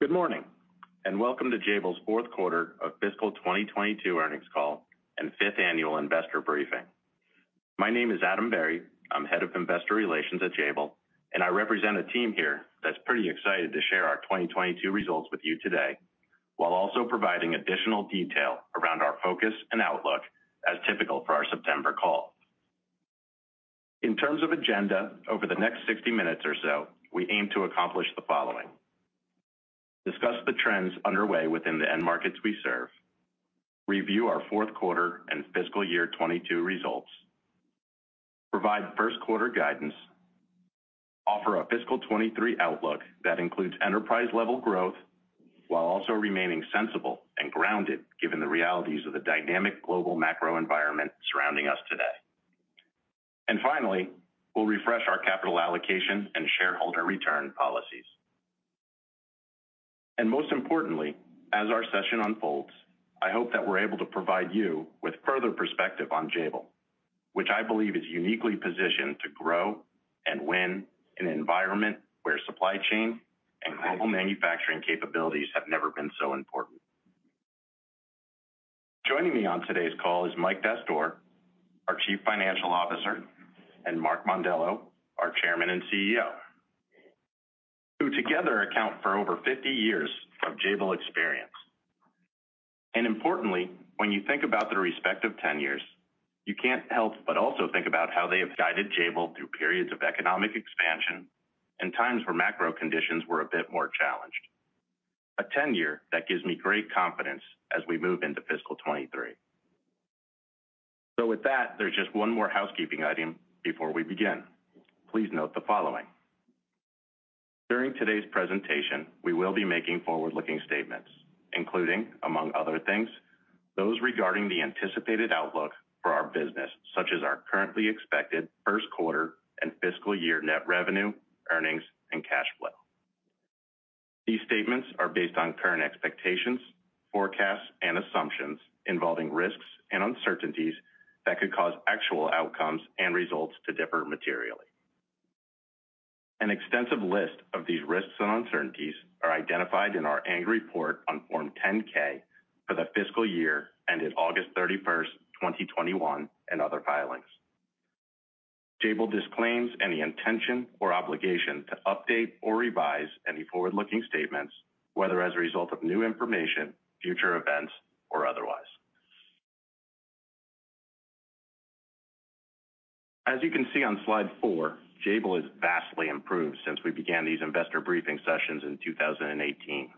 Good morning, and welcome to Jabil's Q4 of fiscal 2022 earnings call, and 5th annual investor briefing. My name is Adam Berry. I'm head of investor relations at Jabil, and I represent a team here that's pretty excited to share our 2022 results with you today, while also providing additional detail around our focus and outlook as typical for our September call. In terms of agenda, over the next 60 minutes or so, we aim to accomplish the following. Discuss the trends underway within the end markets we serve. Review our Q4 and fiscal year 2022 results. Provide Q1 guidance. Offer a fiscal 2023 outlook that includes enterprise-level growth, while also remaining sensible and grounded given the realities of the dynamic global macro environment surrounding us today. Finally, we'll refresh our capital allocation and shareholder return policies. Most importantly, as our session unfolds, I hope that we're able to provide you with further perspective on Jabil, which I believe is uniquely positioned to grow and win in an environment where supply chain and global manufacturing capabilities have never been so important. Joining me on today's call is Mike Dastoor, our Chief Financial Officer, and Mark Mondello, our Chairman and CEO, who together account for over 50 years of Jabil experience. Importantly, when you think about their respective tenures, you can't help but also think about how they have guided Jabil through periods of economic expansion in times where macro conditions were a bit more challenged. A tenure that gives me great confidence as we move into fiscal 2023. With that, there's just one more housekeeping item before we begin. Please note the following. During today's presentation, we will be making forward-looking statements, including, among other things, those regarding the anticipated outlook for our business, such as our currently expected Q1 and fiscal year net revenue, earnings, and cash flow. These statements are based on current expectations, forecasts, and assumptions involving risks and uncertainties that could cause actual outcomes and results to differ materially. An extensive list of these risks and uncertainties are identified in our annual report on Form 10-K for the fiscal year ended August 31, 2021, and other filings. Jabil disclaims any intention or obligation to update or revise any forward-looking statements, whether as a result of new information, future events, or otherwise. As you can see on slide 4, Jabil has vastly improved since we began these investor briefing sessions in 2018.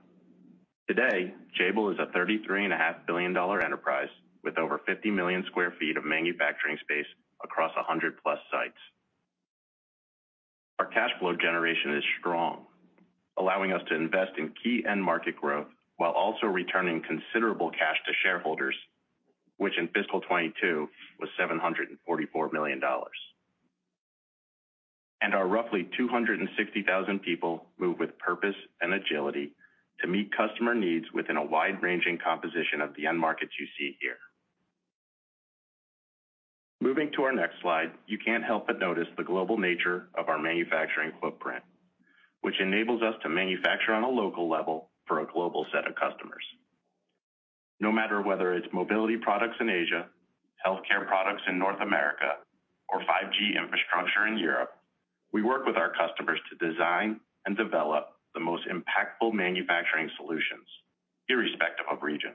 Today, Jabil is a $33.5 billion enterprise with over 50 million sq ft of manufacturing space across 100+ sites. Our cash flow generation is strong, allowing us to invest in key end market growth while also returning considerable cash to shareholders, which in fiscal 2022 was $744 million. Our roughly 260,000 people move with purpose and agility to meet customer needs within a wide-ranging composition of the end markets you see here. Moving to our next slide, you can't help but notice the global nature of our manufacturing footprint, which enables us to manufacture on a local level for a global set of customers. No matter whether it's mobility products in Asia, healthcare products in North America, or 5G infrastructure in Europe, we work with our customers to design and develop the most impactful manufacturing solutions, irrespective of region,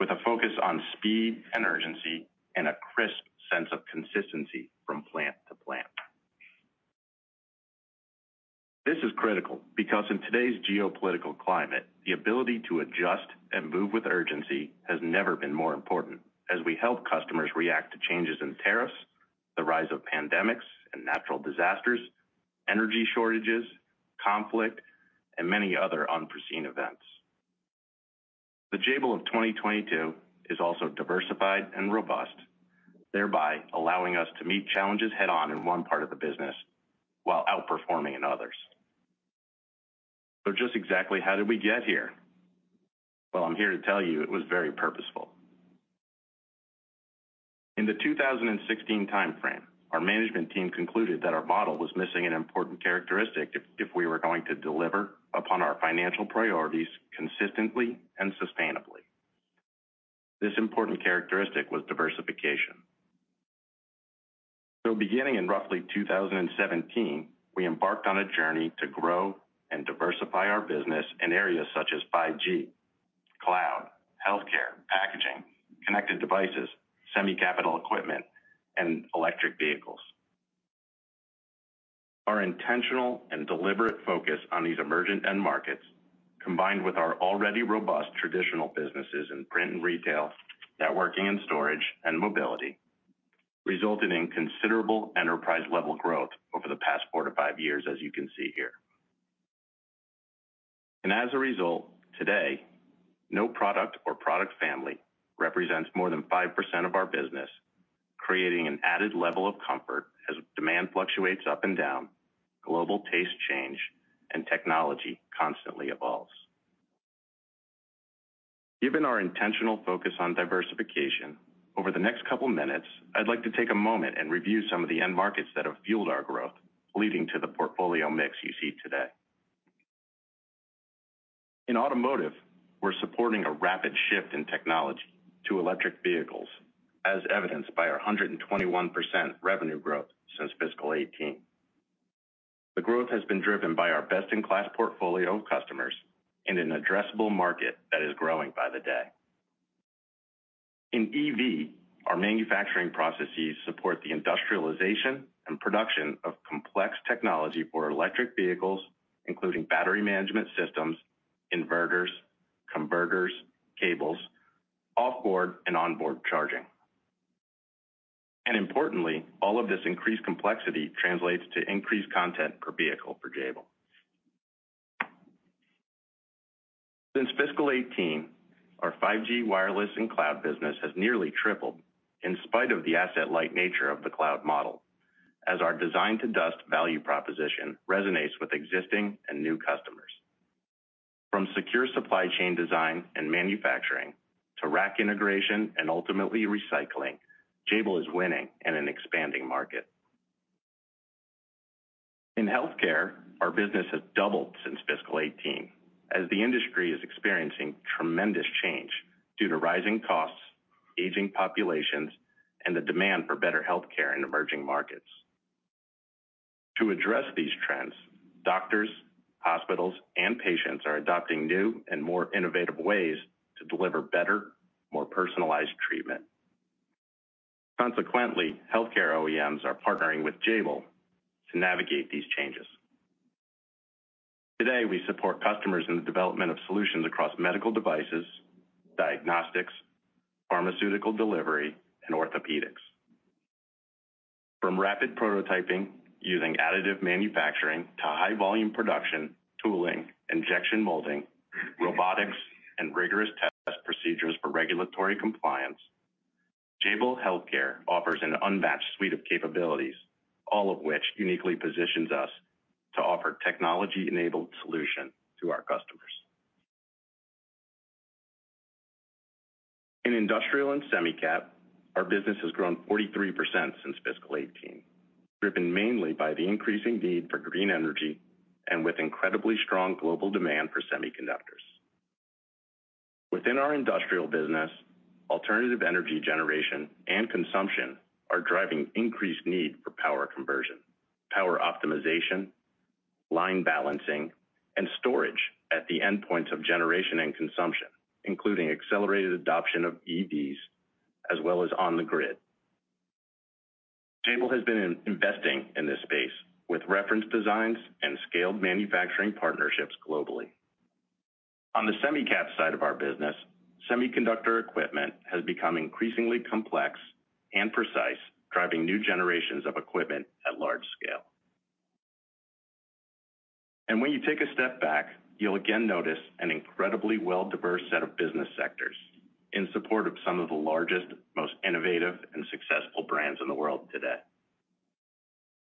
with a focus on speed and urgency, and a crisp sense of consistency from plant to plant. This is critical because in today's geopolitical climate, the ability to adjust and move with urgency has never been more important as we help customers react to changes in tariffs, the rise of pandemics and natural disasters, energy shortages, conflict, and many other unforeseen events. The Jabil of 2022 is also diversified and robust, thereby allowing us to meet challenges head-on in one part of the business while outperforming in others. Just exactly how did we get here? Well, I'm here to tell you it was very purposeful. In the 2016 timeframe, our management team concluded that our model was missing an important characteristic if we were going to deliver upon our financial priorities consistently and sustainably. This important characteristic was diversification. Beginning in roughly 2017, we embarked on a journey to grow and diversify our business in areas such as 5G, cloud, healthcare, packaging, connected devices, semi-cap equipment, and electric vehicles. Our intentional and deliberate focus on these emergent end markets, combined with our already robust traditional businesses in print and retail, networking and storage, and mobility, resulted in considerable enterprise-level growth over the past 4-5 years, as you can see here. As a result, today, no product or product family represents more than 5% of our business, creating an added level of comfort as demand fluctuates up and down, global tastes change, and technology constantly evolves. Given our intentional focus on diversification, over the next couple minutes, I'd like to take a moment and review some of the end markets that have fueled our growth, leading to the portfolio mix you see today. In automotive, we're supporting a rapid shift in technology to electric vehicles, as evidenced by our 121% revenue growth since fiscal 2018. The growth has been driven by our best-in-class portfolio customers in an addressable market that is growing by the day. In EV, our manufacturing processes support the industrialization and production of complex technology for electric vehicles, including battery management systems, inverters, converters, cables, off-board and on-board charging. Importantly, all of this increased complexity translates to increased content per vehicle for Jabil. Since fiscal 2018, our 5G wireless and cloud business has nearly tripled in spite of the asset-light nature of the cloud model, as our design-to-dust value proposition resonates with existing and new customers. From secure supply chain design and manufacturing to rack integration and ultimately recycling, Jabil is winning in an expanding market. In healthcare, our business has doubled since fiscal 2018 as the industry is experiencing tremendous change due to rising costs, aging populations, and the demand for better healthcare in emerging markets. To address these trends, doctors, hospitals, and patients are adopting new and more innovative ways to deliver better, more personalized treatment. Consequently, healthcare OEMs are partnering with Jabil to navigate these changes. Today, we support customers in the development of solutions across medical devices, diagnostics, pharmaceutical delivery, and orthopedics. From rapid prototyping using additive manufacturing to high-volume production, tooling, injection molding, robotics, and rigorous test procedures for regulatory compliance, Jabil Healthcare offers an unmatched suite of capabilities, all of which uniquely positions us to offer technology-enabled solution to our customers. In industrial and semi-cap, our business has grown 43% since fiscal 2018, driven mainly by the increasing need for green energy and with incredibly strong global demand for semiconductors. Within our industrial business, alternative energy generation and consumption are driving increased need for power conversion, power optimization, line balancing, and storage at the endpoints of generation and consumption, including accelerated adoption of EVs, as well as on the grid. Jabil has been investing in this space with reference designs and scaled manufacturing partnerships globally. On the semi-cap side of our business, semiconductor equipment has become increasingly complex and precise, driving new generations of equipment at large scale. When you take a step back, you'll again notice an incredibly well-diversified set of business sectors in support of some of the largest, most innovative and successful brands in the world today.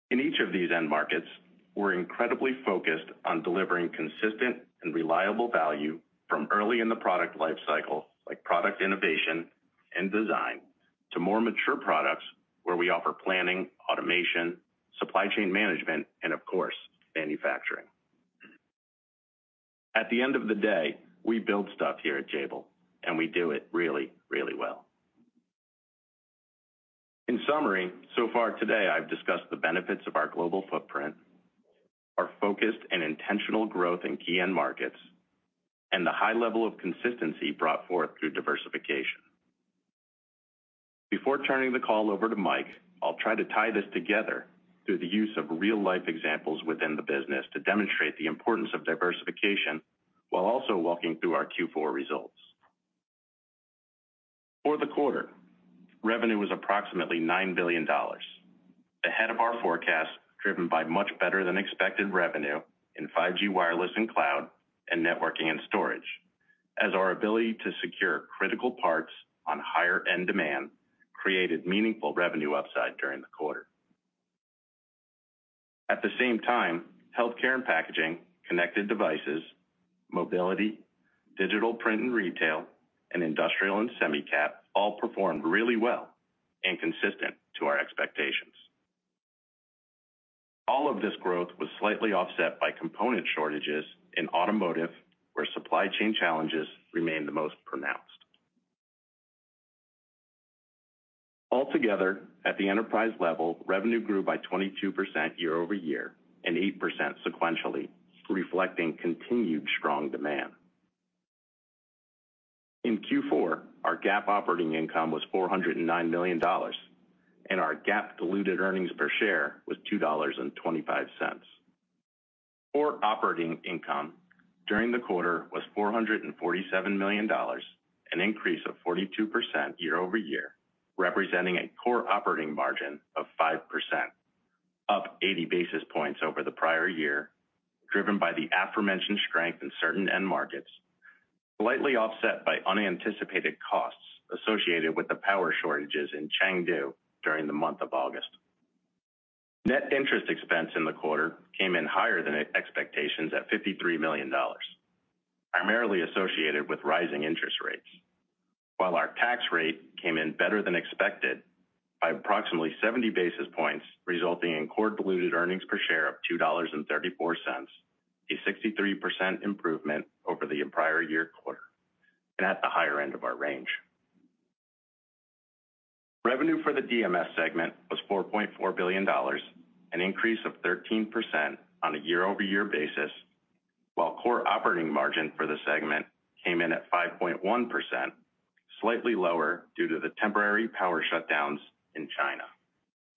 In each of these end markets, we're incredibly focused on delivering consistent and reliable value from early in the product life cycle, like product innovation and design, to more mature products where we offer planning, automation, supply chain management, and of course, manufacturing. At the end of the day, we build stuff here at Jabil, and we do it really, really well. In summary, so far today, I've discussed the benefits of our global footprint, our focused and intentional growth in key end markets, and the high level of consistency brought forth through diversification. Before turning the call over to Mike, I'll try to tie this together through the use of real-life examples within the business to demonstrate the importance of diversification while also walking through our Q4 results. For the quarter, revenue was approximately $9 billion, ahead of our forecast, driven by much better than expected revenue in 5G wireless and cloud and networking and storage, as our ability to secure critical parts on higher end demand created meaningful revenue upside during the quarter. At the same time, healthcare and packaging, connected devices, mobility, digital print and retail, and industrial and semi-cap all performed really well and consistent to our expectations. All of this growth was slightly offset by component shortages in automotive, where supply chain challenges remain the most pronounced. Altogether, at the enterprise level, revenue grew by 22% year-over-year and 8% sequentially, reflecting continued strong demand. In Q4, our GAAP operating income was $409 million, and our GAAP diluted earnings per share was $2.25. Core operating income during the quarter was $447 million, an increase of 42% year-over-year, representing a core operating margin of 5%, up 80 basis points over the prior year, driven by the aforementioned strength in certain end markets, slightly offset by unanticipated costs associated with the power shortages in Chengdu during the month of August. Net interest expense in the quarter came in higher than expectations at $53 million, primarily associated with rising interest rates. While our tax rate came in better than expected by approximately 70 basis points, resulting in core diluted earnings per share of $2.34, a 63% improvement over the prior year quarter, and at the higher end of our range. Revenue for the DMS segment was $4.4 billion, an increase of 13% on a year-over-year basis, while core operating margin for the segment came in at 5.1%, slightly lower due to the temporary power shutdowns in China.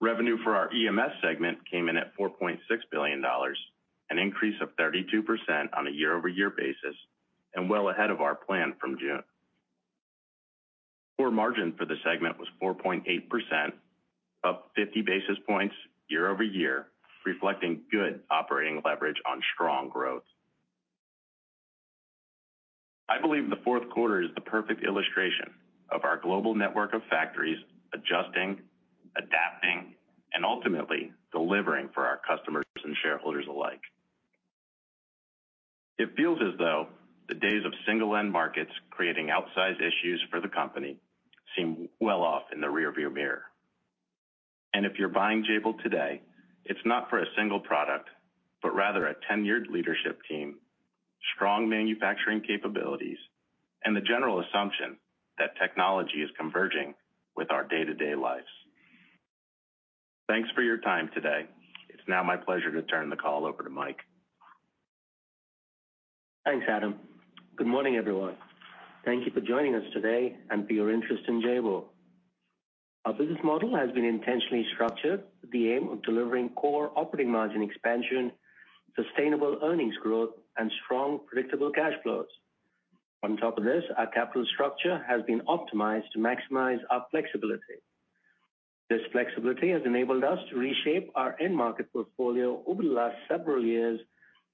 Revenue for our EMS segment came in at $4.6 billion, an increase of 32% on a year-over-year basis, and well ahead of our plan from June. Core margin for the EMS segment was 4.8%, up 50 basis points year-over-year, reflecting good operating leverage on strong growth. I believe the Q4 is the perfect illustration of our global network of factories adjusting, adapting, and ultimately delivering for our customers and shareholders alike. It feels as though the days of single end markets creating outsized issues for the company seem well off in the rearview mirror. If you're buying Jabil today, it's not for a single product, but rather a tenured leadership team, strong manufacturing capabilities, and the general assumption that technology is converging with our day-to-day lives. Thanks for your time today. It's now my pleasure to turn the call over to Mike. Thanks, Adam. Good morning, everyone. Thank you for joining us today and for your interest in Jabil. Our business model has been intentionally structured with the aim of delivering core operating margin expansion, sustainable earnings growth, and strong, predictable cash flows. On top of this, our capital structure has been optimized to maximize our flexibility. This flexibility has enabled us to reshape our end market portfolio over the last several years,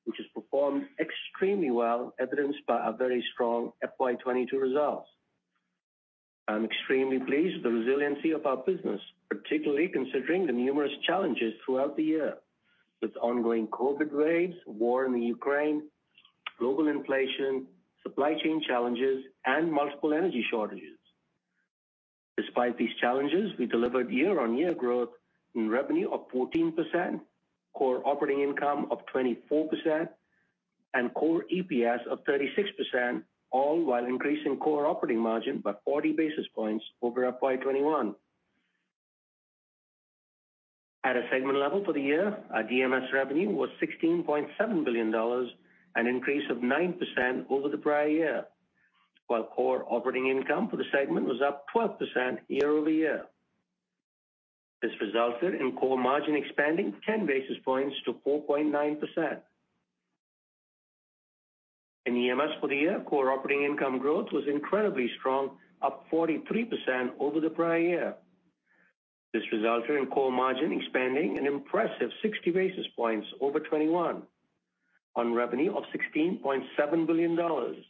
which has performed extremely well, evidenced by our very strong FY 2022 results. I'm extremely pleased with the resiliency of our business, particularly considering the numerous challenges throughout the year, with ongoing COVID waves, war in Ukraine, global inflation, supply chain challenges, and multiple energy shortages. Despite these challenges, we delivered year-on-year growth in revenue of 14%, core operating income of 24%, and core EPS of 36%, all while increasing core operating margin by 40 basis points over FY 2021. At a segment level for the year, our DMS revenue was $16.7 billion, an increase of 9% over the prior year, while core operating income for the segment was up 12% year-over-year. This resulted in core margin expanding 10 basis points to 4.9%. In EMS for the year, core operating income growth was incredibly strong, up 43% over the prior year. This resulted in core margin expanding an impressive 60 basis points over 2021 on revenue of $16.7 billion. The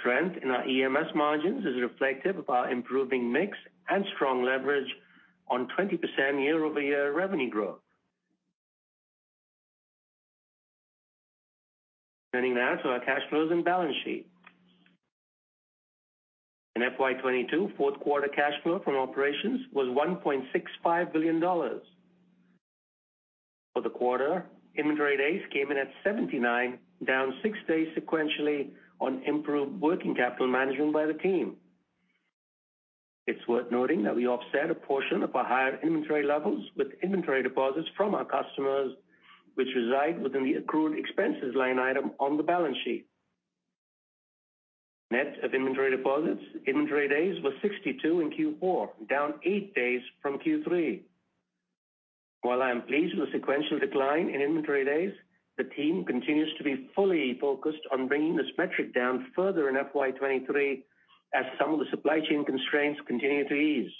strength in our EMS margins is reflective of our improving mix and strong leverage on 20% year-over-year revenue growth. Turning now to our cash flows and balance sheet. In FY 2022, Q4 cash flow from operations was $1.65 billion. For the quarter, inventory days came in at 79, down 6 days sequentially on improved working capital management by the team. It's worth noting that we offset a portion of our higher inventory levels with inventory deposits from our customers, which reside within the accrued expenses line item on the balance sheet. Net of inventory deposits, inventory days was 62 in Q4, down 8 days from Q3. While I am pleased with the sequential decline in inventory days, the team continues to be fully focused on bringing this metric down further in FY 2023 as some of the supply chain constraints continue to ease.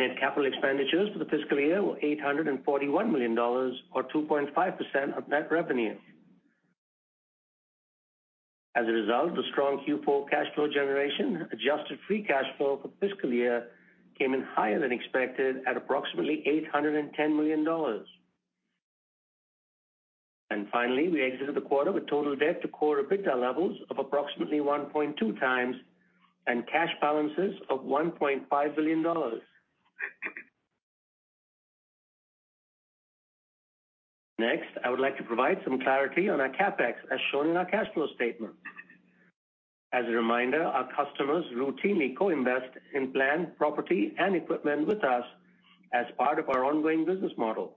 Net capital expenditures for the fiscal year were $841 million or 2.5% of net revenue. As a result of the strong Q4 cash flow generation, adjusted free cash flow for fiscal year came in higher than expected at approximately $810 million. Finally, we exited the quarter with total debt to core EBITDA levels of approximately 1.2 times and cash balances of $1.5 billion. Next, I would like to provide some clarity on our CapEx as shown in our cash flow statement. As a reminder, our customers routinely co-invest in plant, property, and equipment with us as part of our ongoing business model.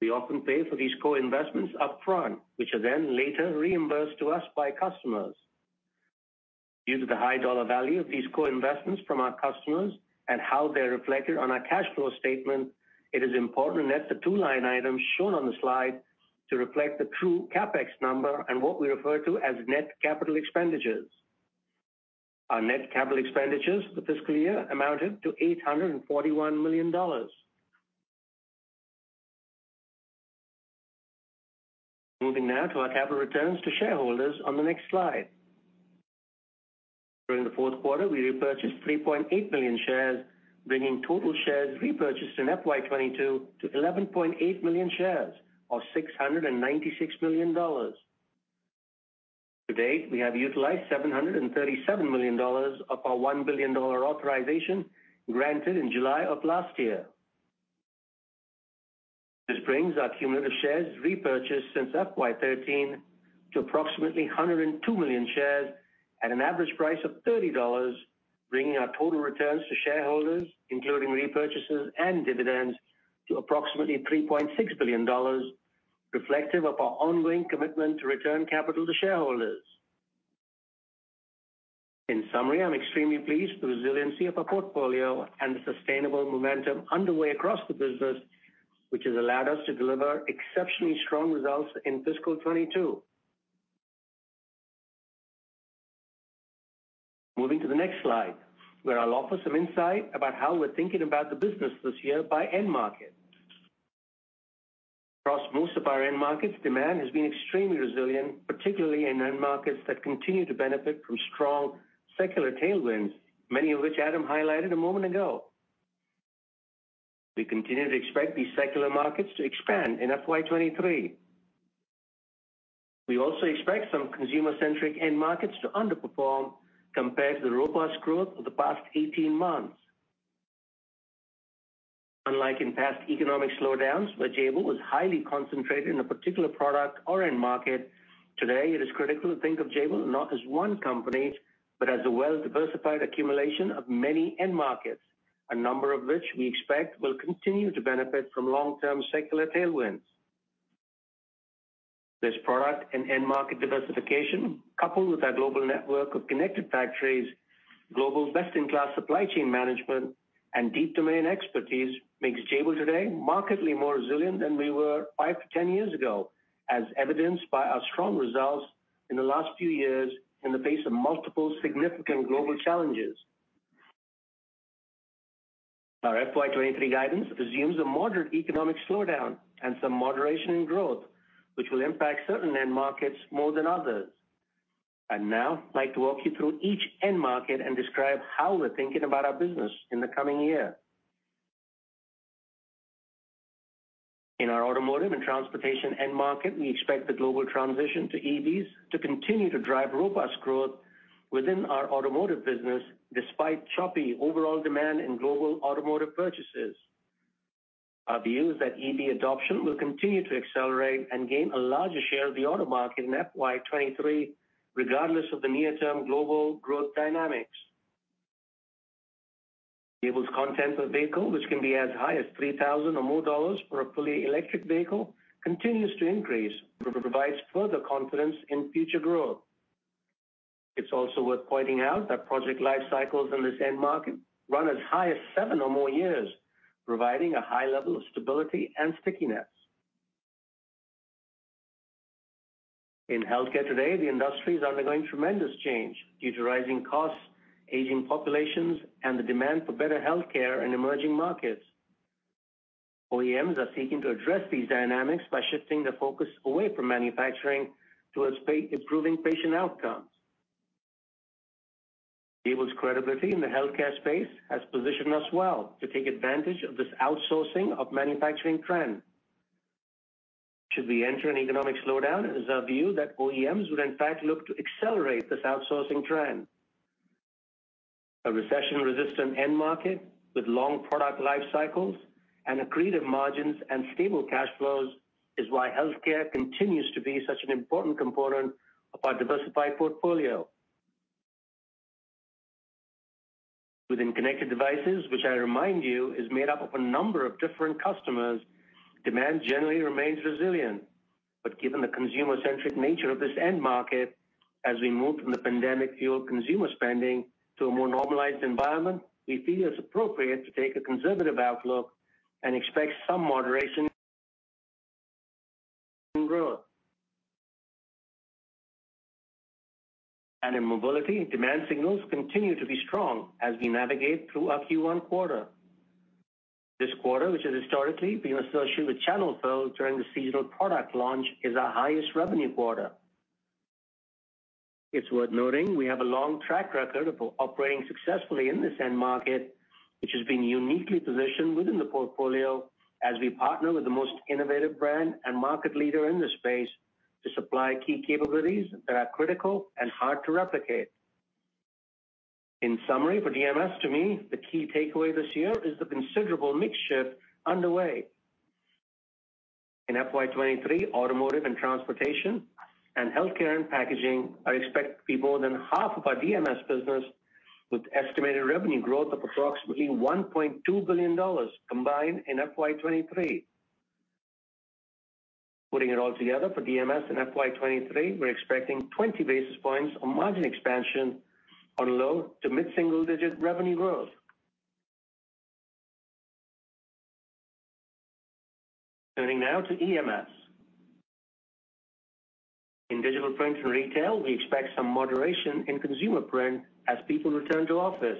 We often pay for these co-investments upfront, which are then later reimbursed to us by customers. Due to the high dollar value of these co-investments from our customers and how they're reflected on our cash flow statement, it is important to note the two line items shown on the slide to reflect the true CapEx number and what we refer to as net capital expenditures. Our net capital expenditures for fiscal year amounted to $841 million. Moving now to our capital returns to shareholders on the next slide. During the Q4, we repurchased 3.8 million shares, bringing total shares repurchased in FY 2022 to 11.8 million shares of $696 million. To date, we have utilized $737 million of our $1 billion authorization granted in July of last year. This brings our cumulative shares repurchased since FY 2013 to approximately 102 million shares at an average price of $30, bringing our total returns to shareholders, including repurchases and dividends, to approximately $3.6 billion, reflective of our ongoing commitment to return capital to shareholders. In summary, I'm extremely pleased with the resiliency of our portfolio and the sustainable momentum underway across the business, which has allowed us to deliver exceptionally strong results in fiscal 2022. Moving to the next slide, where I'll offer some insight about how we're thinking about the business this year by end market. Across most of our end markets, demand has been extremely resilient, particularly in end markets that continue to benefit from strong secular tailwinds, many of which Adam highlighted a moment ago. We continue to expect these secular markets to expand in FY 2023. We also expect some consumer-centric end markets to underperform compared to the robust growth of the past 18 months. Unlike in past economic slowdowns, where Jabil was highly concentrated in a particular product or end market, today it is critical to think of Jabil not as one company, but as a well-diversified accumulation of many end markets, a number of which we expect will continue to benefit from long-term secular tailwinds. This product and end market diversification, coupled with our global network of connected factories, global best-in-class supply chain management, and deep domain expertise, makes Jabil today markedly more resilient than we were 5 to 10 years ago, as evidenced by our strong results in the last few years in the face of multiple significant global challenges. Our FY 2023 guidance assumes a moderate economic slowdown and some moderation in growth, which will impact certain end markets more than others. I'd now like to walk you through each end market and describe how we're thinking about our business in the coming year. In our automotive and transportation end market, we expect the global transition to EVs to continue to drive robust growth within our automotive business, despite choppy overall demand in global automotive purchases. Our view is that EV adoption will continue to accelerate and gain a larger share of the auto market in FY 2023, regardless of the near-term global growth dynamics. Jabil's content per vehicle, which can be as high as $3,000 or more for a fully electric vehicle, continues to increase and provides further confidence in future growth. It's also worth pointing out that project life cycles in this end market run as high as 7 or more years, providing a high level of stability and stickiness. In healthcare today, the industry is undergoing tremendous change due to rising costs, aging populations, and the demand for better health care in emerging markets. OEMs are seeking to address these dynamics by shifting the focus away from manufacturing towards improving patient outcomes. Jabil's credibility in the healthcare space has positioned us well to take advantage of this outsourcing of manufacturing trend. Should we enter an economic slowdown, it is our view that OEMs would in fact look to accelerate this outsourcing trend. A recession-resistant end market with long product life cycles and accretive margins and stable cash flows is why healthcare continues to be such an important component of our diversified portfolio. Within connected devices, which I remind you is made up of a number of different customers, demand generally remains resilient. Given the consumer-centric nature of this end market, as we move from the pandemic-fueled consumer spending to a more normalized environment, we feel it's appropriate to take a conservative outlook and expect some moderation in growth. In mobility, demand signals continue to be strong as we navigate through our Q1 quarter. This quarter, which has historically been associated with channel fill during the seasonal product launch, is our highest revenue quarter. It's worth noting we have a long track record of operating successfully in this end market, which has been uniquely positioned within the portfolio as we partner with the most innovative brand and market leader in the space to supply key capabilities that are critical and hard to replicate. In summary, for DMS, to me, the key takeaway this year is the considerable mix shift underway. In FY 2023, automotive and transportation and healthcare and packaging are expected to be more than half of our DMS business, with estimated revenue growth of approximately $1.2 billion combined in FY 2023. Putting it all together for DMS in FY 2023, we're expecting 20 basis points of margin expansion on low- to mid-single-digit revenue growth. Turning now to EMS. In digital print and retail, we expect some moderation in consumer print as people return to office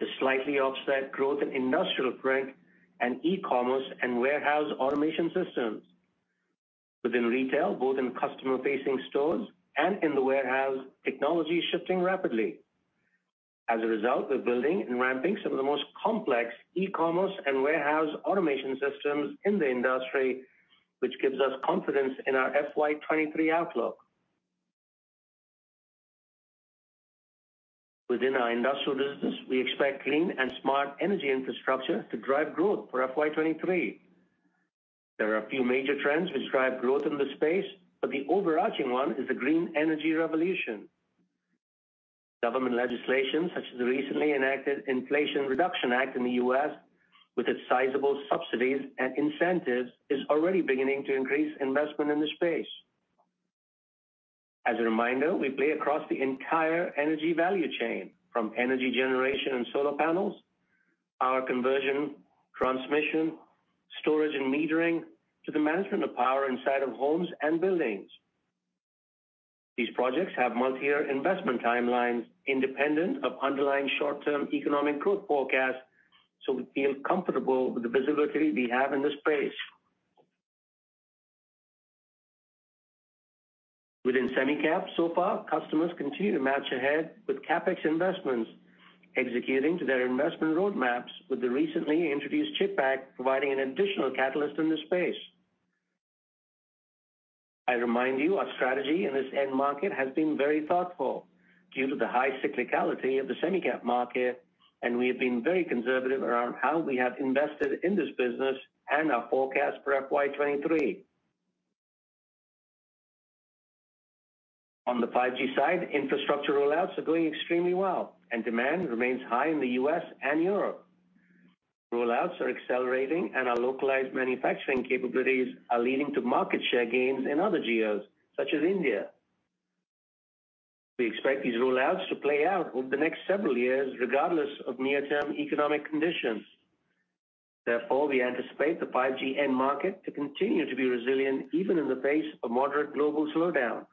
to slightly offset growth in industrial print and e-commerce and warehouse automation systems. Within retail, both in customer-facing stores and in the warehouse, technology is shifting rapidly. As a result, we're building and ramping some of the most complex e-commerce and warehouse automation systems in the industry, which gives us confidence in our FY 2023 outlook. Within our industrial business, we expect clean and smart energy infrastructure to drive growth for FY 2023. There are a few major trends which drive growth in this space, but the overarching one is the green energy revolution. Government legislation, such as the recently enacted Inflation Reduction Act in the U.S., with its sizable subsidies and incentives, is already beginning to increase investment in this space. As a reminder, we play across the entire energy value chain, from energy generation and solar panels, power conversion, transmission, storage, and metering to the management of power inside of homes and buildings. These projects have multi-year investment timelines independent of underlying short-term economic growth forecasts, so we feel comfortable with the visibility we have in this space. Within semi-cap, so far, customers continue to march ahead with CapEx investments, executing to their investment roadmaps with the recently introduced CHIPS Act providing an additional catalyst in this space. I remind you our strategy in this end market has been very thoughtful due to the high cyclicality of the semi-cap market, and we have been very conservative around how we have invested in this business and our forecast for FY 2023. On the 5G side, infrastructure rollouts are going extremely well, and demand remains high in the U.S. and Europe. Rollouts are accelerating, and our localized manufacturing capabilities are leading to market share gains in other geos, such as India. We expect these rollouts to play out over the next several years, regardless of near-term economic conditions. Therefore, we anticipate the 5G end market to continue to be resilient even in the face of moderate global slowdown.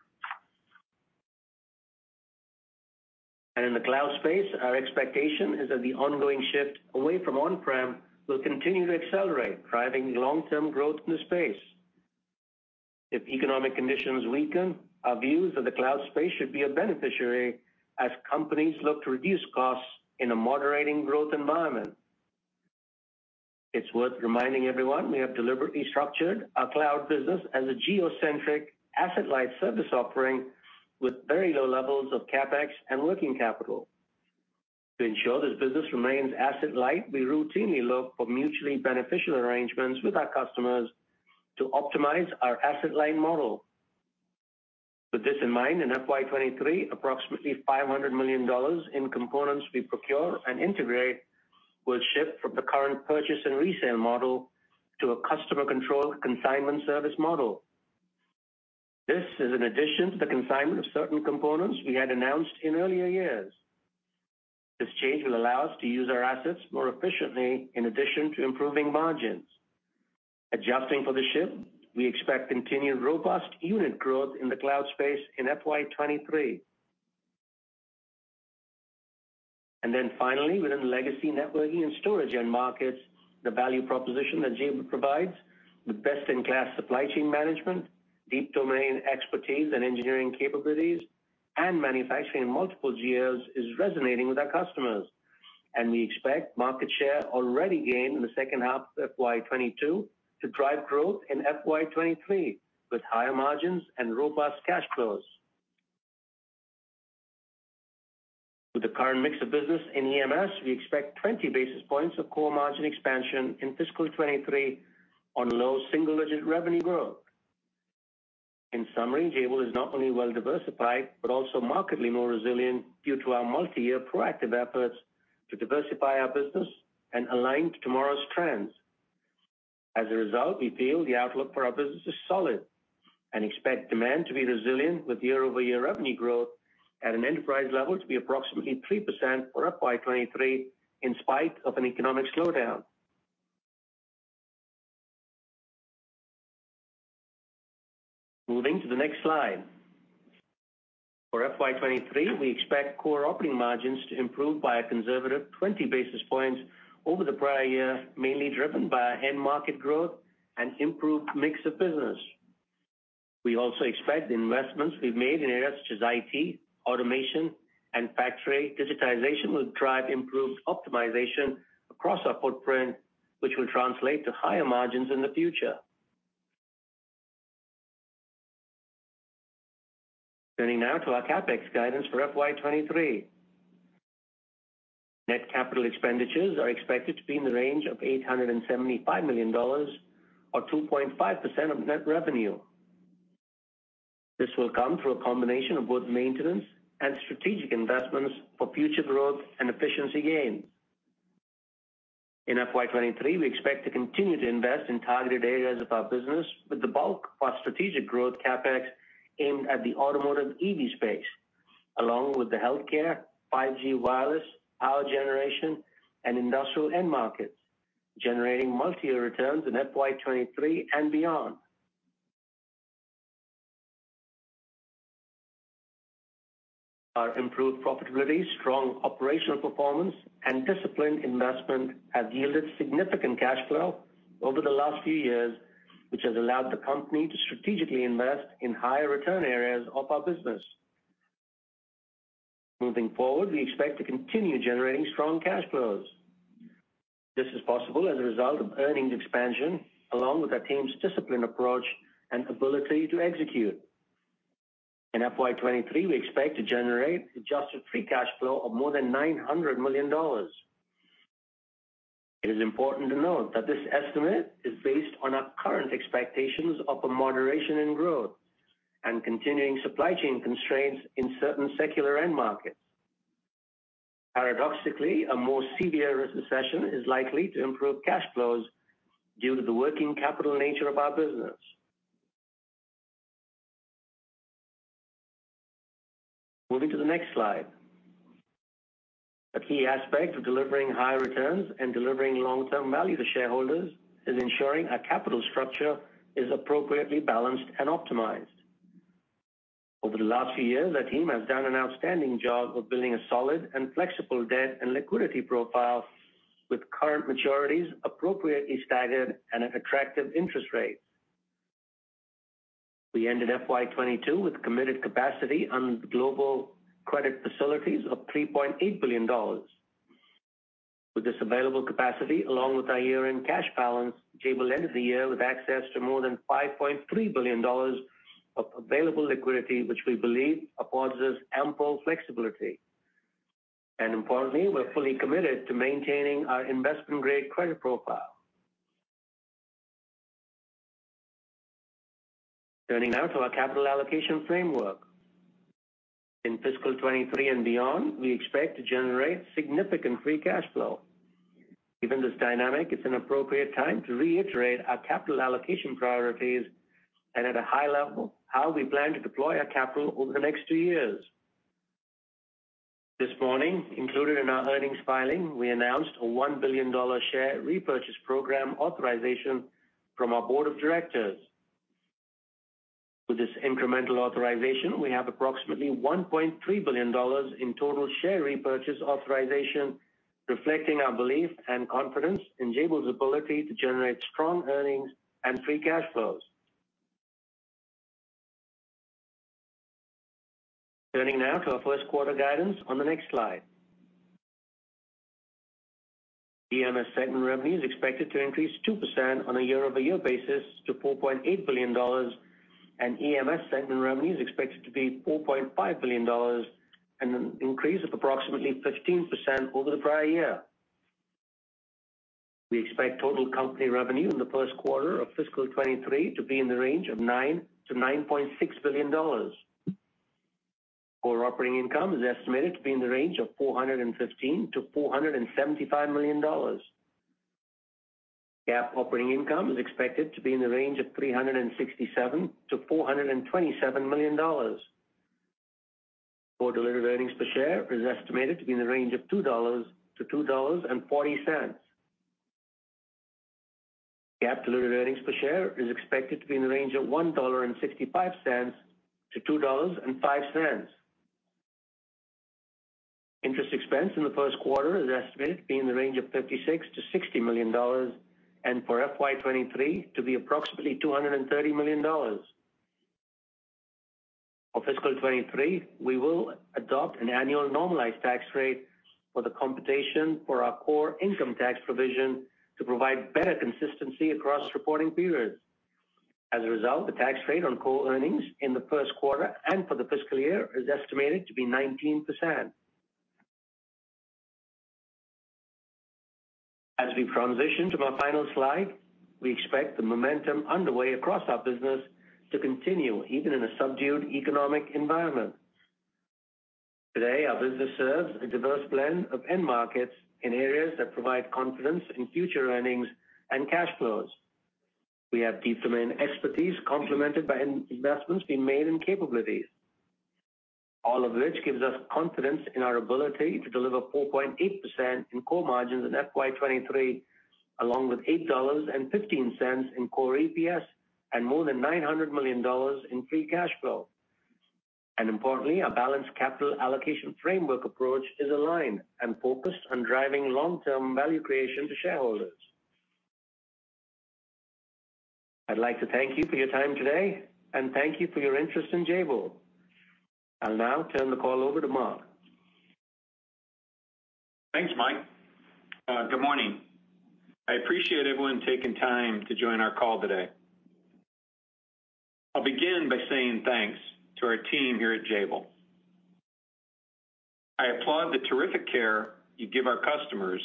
In the cloud space, our expectation is that the ongoing shift away from on-prem will continue to accelerate, driving long-term growth in the space. If economic conditions weaken, our view is that the cloud space should be a beneficiary as companies look to reduce costs in a moderating growth environment. It's worth reminding everyone we have deliberately structured our cloud business as a geo-centric asset-light service offering with very low levels of CapEx and working capital. To ensure this business remains asset light, we routinely look for mutually beneficial arrangements with our customers to optimize our asset-light model. With this in mind, in FY 2023, approximately $500 million in components we procure and integrate will shift from the current purchase and resale model to a customer-controlled consignment service model. This is in addition to the consignment of certain components we had announced in earlier years. This change will allow us to use our assets more efficiently in addition to improving margins. Adjusting for the shift, we expect continued robust unit growth in the cloud space in FY 2023. Finally, within legacy networking and storage end markets, the value proposition that Jabil provides with best-in-class supply chain management, deep domain expertise and engineering capabilities, and manufacturing in multiple geos is resonating with our customers. We expect market share already gained in the second half of FY 2022 to drive growth in FY 2023 with higher margins and robust cash flows. With the current mix of business in EMS, we expect 20 basis points of core margin expansion in fiscal 2023 on low-single-digit revenue growth. In summary, Jabil is not only well-diversified but also markedly more resilient due to our multi-year proactive efforts to diversify our business and align to tomorrow's trends. As a result, we feel the outlook for our business is solid and expect demand to be resilient with year-over-year revenue growth at an enterprise level to be approximately 3% for FY 2023 in spite of an economic slowdown. Moving to the next slide. For FY 2023, we expect core operating margins to improve by a conservative 20 basis points over the prior year, mainly driven by our end market growth and improved mix of business. We also expect the investments we've made in areas such as IT, automation, and factory digitization will drive improved optimization across our footprint, which will translate to higher margins in the future. Turning now to our CapEx guidance for FY 2023. Net capital expenditures are expected to be in the range of $875 million or 2.5% of net revenue. This will come through a combination of both maintenance and strategic investments for future growth and efficiency gains. In FY 2023, we expect to continue to invest in targeted areas of our business with the bulk of our strategic growth CapEx aimed at the automotive EV space, along with the healthcare, 5G wireless, power generation, and industrial end markets. Generating multi-year returns in FY 2023 and beyond. Our improved profitability, strong operational performance, and disciplined investment have yielded significant cash flow over the last few years, which has allowed the company to strategically invest in higher return areas of our business. Moving forward, we expect to continue generating strong cash flows. This is possible as a result of earnings expansion, along with our team's disciplined approach and ability to execute. In FY 2023, we expect to generate adjusted free cash flow of more than $900 million. It is important to note that this estimate is based on our current expectations of a moderation in growth and continuing supply chain constraints in certain secular end markets. Paradoxically, a more severe recession is likely to improve cash flows due to the working capital nature of our business. Moving to the next slide. A key aspect of delivering high returns and delivering long-term value to shareholders is ensuring our capital structure is appropriately balanced and optimized. Over the last few years, our team has done an outstanding job of building a solid and flexible debt and liquidity profile with current maturities appropriately staggered and at attractive interest rates. We ended FY 2022 with committed capacity on global credit facilities of $3.8 billion. With this available capacity, along with our year-end cash balance, Jabil ended the year with access to more than $5.3 billion of available liquidity, which we believe affords us ample flexibility. Importantly, we're fully committed to maintaining our investment-grade credit profile. Turning now to our capital allocation framework. In fiscal 2023 and beyond, we expect to generate significant free cash flow. Given this dynamic, it's an appropriate time to reiterate our capital allocation priorities and at a high level, how we plan to deploy our capital over the next two years. This morning, included in our earnings filing, we announced a $1 billion share repurchase program authorization from our board of directors. With this incremental authorization, we have approximately $1.3 billion in total share repurchase authorization, reflecting our belief and confidence in Jabil's ability to generate strong earnings and free cash flows. Turning now to our Q1 guidance on the next slide. EMS segment revenue is expected to increase 2% on a year-over-year basis to $4.8 billion, and EMS segment revenue is expected to be $4.5 billion, an increase of approximately 15% over the prior year. We expect total company revenue in the Q1 of fiscal 2023 to be in the range of $9-$9.6 billion. Core operating income is estimated to be in the range of $415-$475 million. GAAP operating income is expected to be in the range of $367-$427 million. Core diluted earnings per share is estimated to be in the range of $2-$2.40. GAAP delivered earnings per share is expected to be in the range of $1.65-$2.05. Interest expense in the Q1 is estimated to be in the range of $56 million-$60 million, and for FY 2023 to be approximately $230 million. For fiscal 2023, we will adopt an annual normalized tax rate for the computation for our core income tax provision to provide better consistency across reporting periods. As a result, the tax rate on core earnings in the Q1 and for the fiscal year is estimated to be 19%. As we transition to our final slide, we expect the momentum underway across our business to continue even in a subdued economic environment. Today, our business serves a diverse blend of end markets in areas that provide confidence in future earnings and cash flows. We have deep domain expertise complemented by investments being made in capabilities. All of which gives us confidence in our ability to deliver 4.8% in core margins in FY 2023, along with $8.15 in core EPS, and more than $900 million in free cash flow. Importantly, our balanced capital allocation framework approach is aligned and focused on driving long-term value creation to shareholders. I'd like to thank you for your time today and thank you for your interest in Jabil. I'll now turn the call over to Mark. Thanks, Mike. Good morning. I appreciate everyone taking time to join our call today. I'll begin by saying thanks to our team here at Jabil. I applaud the terrific care you give our customers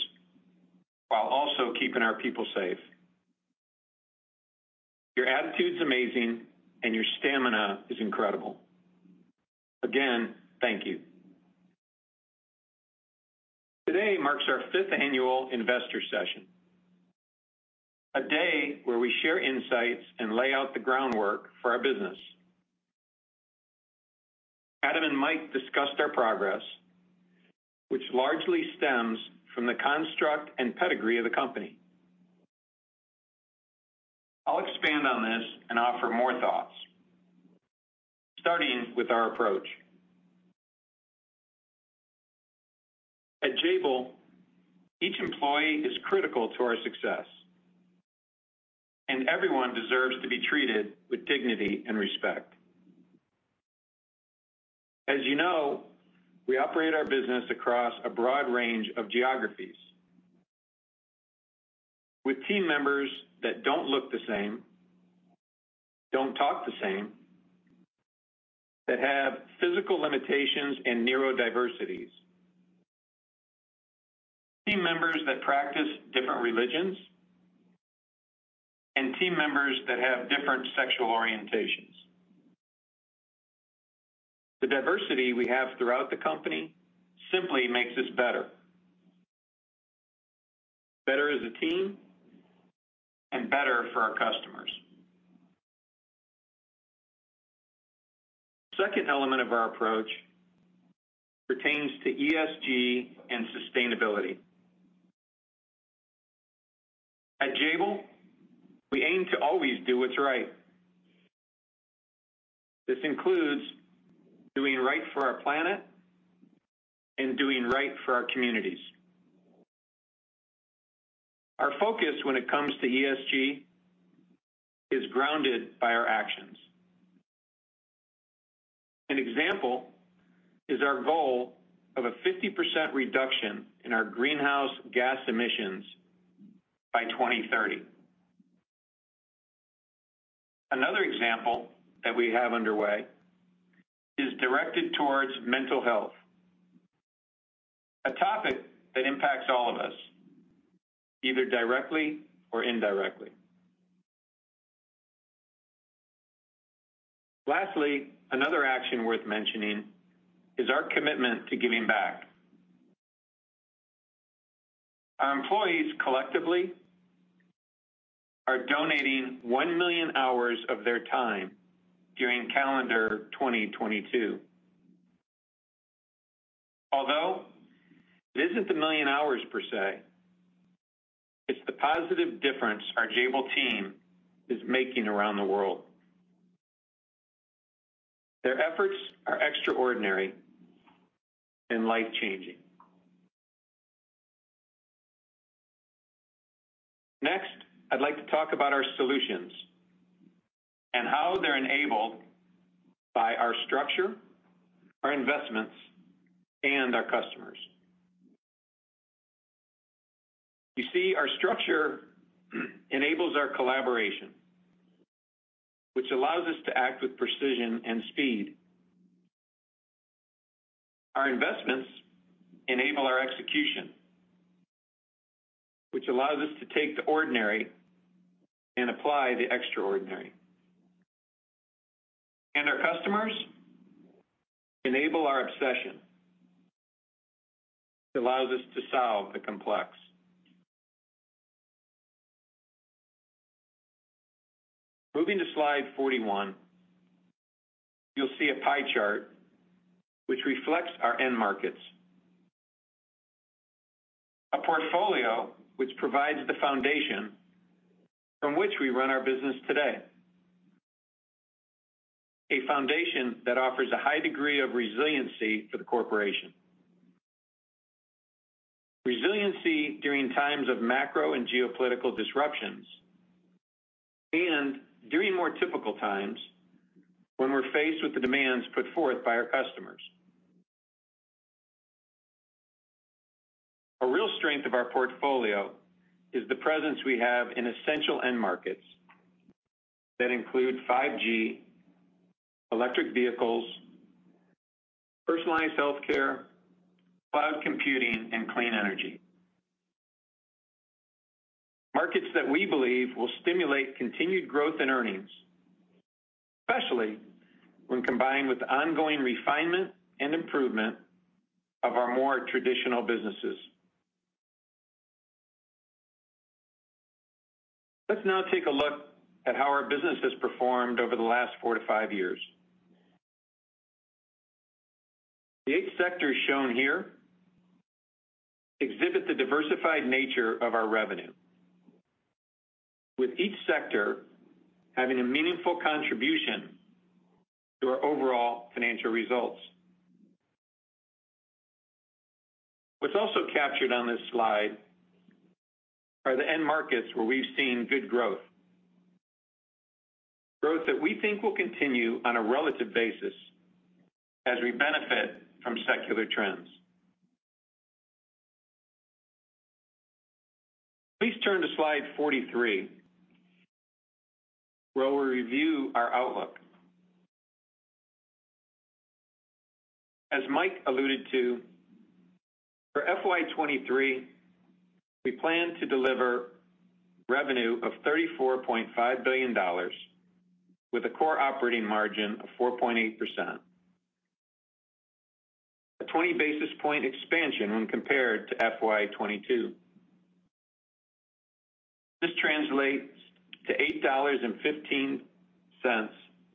while also keeping our people safe. Your attitude's amazing and your stamina is incredible. Again, thank you. Today marks our fifth annual investor session. A day where we share insights and lay out the groundwork for our business. Mike discussed our progress, which largely stems from the construct and pedigree of the company. I'll expand on this and offer more thoughts, starting with our approach. At Jabil, each employee is critical to our success, and everyone deserves to be treated with dignity and respect. As you know, we operate our business across a broad range of geographies with team members that don't look the same, don't talk the same, that have physical limitations and neurodiversities, team members that practice different religions, and team members that have different sexual orientations. The diversity we have throughout the company simply makes us better. Better as a team and better for our customers. Second element of our approach pertains to ESG and sustainability. At Jabil, we aim to always do what's right. This includes doing right for our planet and doing right for our communities. Our focus when it comes to ESG is grounded by our actions. An example is our goal of a 50% reduction in our greenhouse gas emissions by 2030. Another example that we have underway is directed towards mental health, a topic that impacts all of us, either directly or indirectly. Lastly, another action worth mentioning is our commitment to giving back. Our employees collectively are donating 1 million hours of their time during calendar 2022. Although it isn't the million hours per se, it's the positive difference our Jabil team is making around the world. Their efforts are extraordinary and life-changing. Next, I'd like to talk about our solutions and how they're enabled by our structure, our investments, and our customers. You see, our structure enables our collaboration, which allows us to act with precision and speed. Our investments enable our execution, which allows us to take the ordinary and apply the extraordinary. Our customers enable our obsession. It allows us to solve the complex. Moving to slide 41, you'll see a pie chart which reflects our end markets. A portfolio which provides the foundation from which we run our business today. A foundation that offers a high degree of resiliency for the corporation. Resiliency during times of macro and geopolitical disruptions, and during more typical times when we're faced with the demands put forth by our customers. A real strength of our portfolio is the presence we have in essential end markets that include 5G, electric vehicles, personalized healthcare, cloud computing, and clean energy. Markets that we believe will stimulate continued growth in earnings, especially when combined with ongoing refinement and improvement of our more traditional businesses. Let's now take a look at how our business has performed over the last 4-5 years. The 8 sectors shown here exhibit the diversified nature of our revenue. With each sector having a meaningful contribution to our overall financial results. What's also captured on this slide are the end markets where we've seen good growth. Growth that we think will continue on a relative basis as we benefit from secular trends. Please turn to slide 43, where we'll review our outlook. As Mike alluded to, for FY 2023, we plan to deliver revenue of $34.5 billion with a core operating margin of 4.8%. A 20 basis point expansion when compared to FY 2022. This translates to $8.15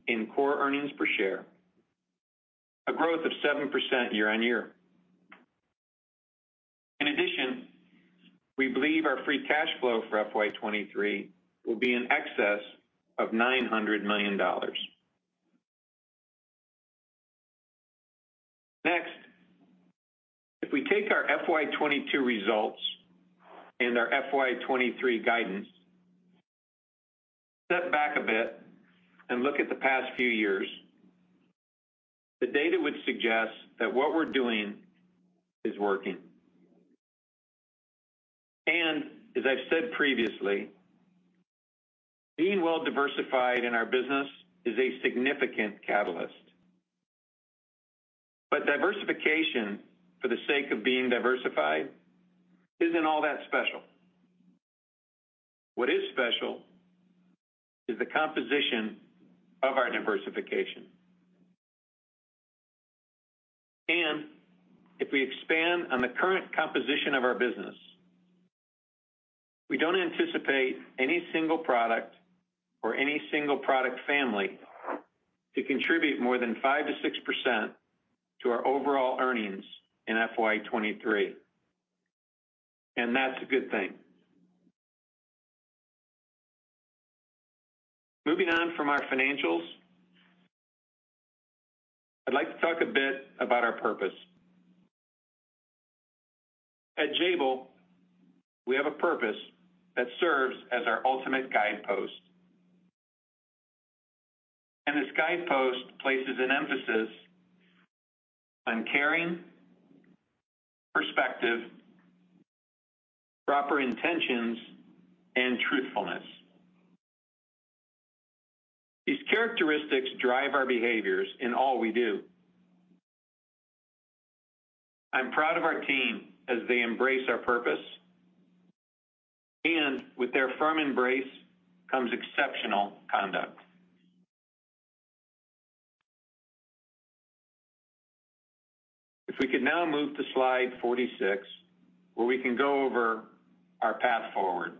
in core earnings per share, a growth of 7% year-on-year. In addition, we believe our free cash flow for FY 2023 will be in excess of $900 million. Next, if we take our FY 2022 results and our FY 2023 guidance, step back a bit and look at the past few years, the data would suggest that what we're doing is working. As I've said previously, being well diversified in our business is a significant catalyst. Diversification for the sake of being diversified isn't all that special. What is special is the composition of our diversification. If we expand on the current composition of our business, we don't anticipate any single product or any single product family to contribute more than 5%-6% to our overall earnings in FY 2023. That's a good thing. Moving on from our financials, I'd like to talk a bit about our purpose. At Jabil, we have a purpose that serves as our ultimate guidepost. This guidepost places an emphasis on caring, perspective, proper intentions, and truthfulness. These characteristics drive our behaviors in all we do. I'm proud of our team as they embrace our purpose, and with their firm embrace comes exceptional conduct. If we could now move to slide 46, where we can go over our path forward.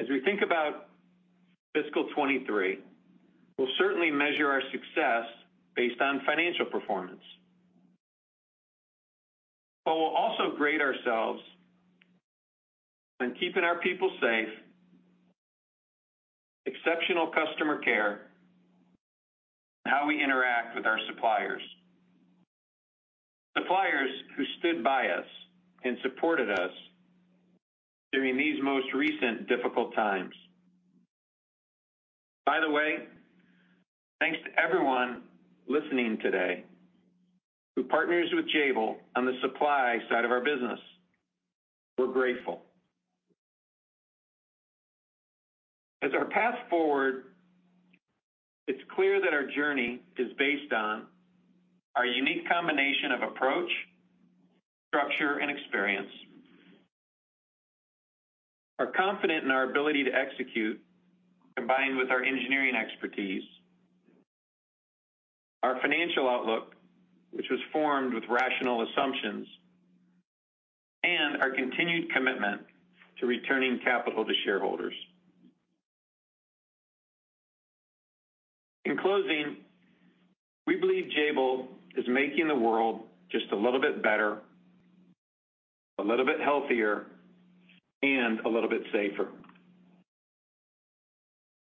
As we think about fiscal 2023, we'll certainly measure our success based on financial performance. We'll also grade ourselves on keeping our people safe, exceptional customer care, and how we interact with our suppliers. Suppliers who stood by us and supported us during these most recent difficult times. By the way, thanks to everyone listening today who partners with Jabil on the supply side of our business. We're grateful. As our path forward, it's clear that our journey is based on our unique combination of approach, structure, and experience. We're confident in our ability to execute, combined with our engineering expertise, our financial outlook, which was formed with rational assumptions, and our continued commitment to returning capital to shareholders. In closing, we believe Jabil is making the world just a little bit better, a little bit healthier, and a little bit safer.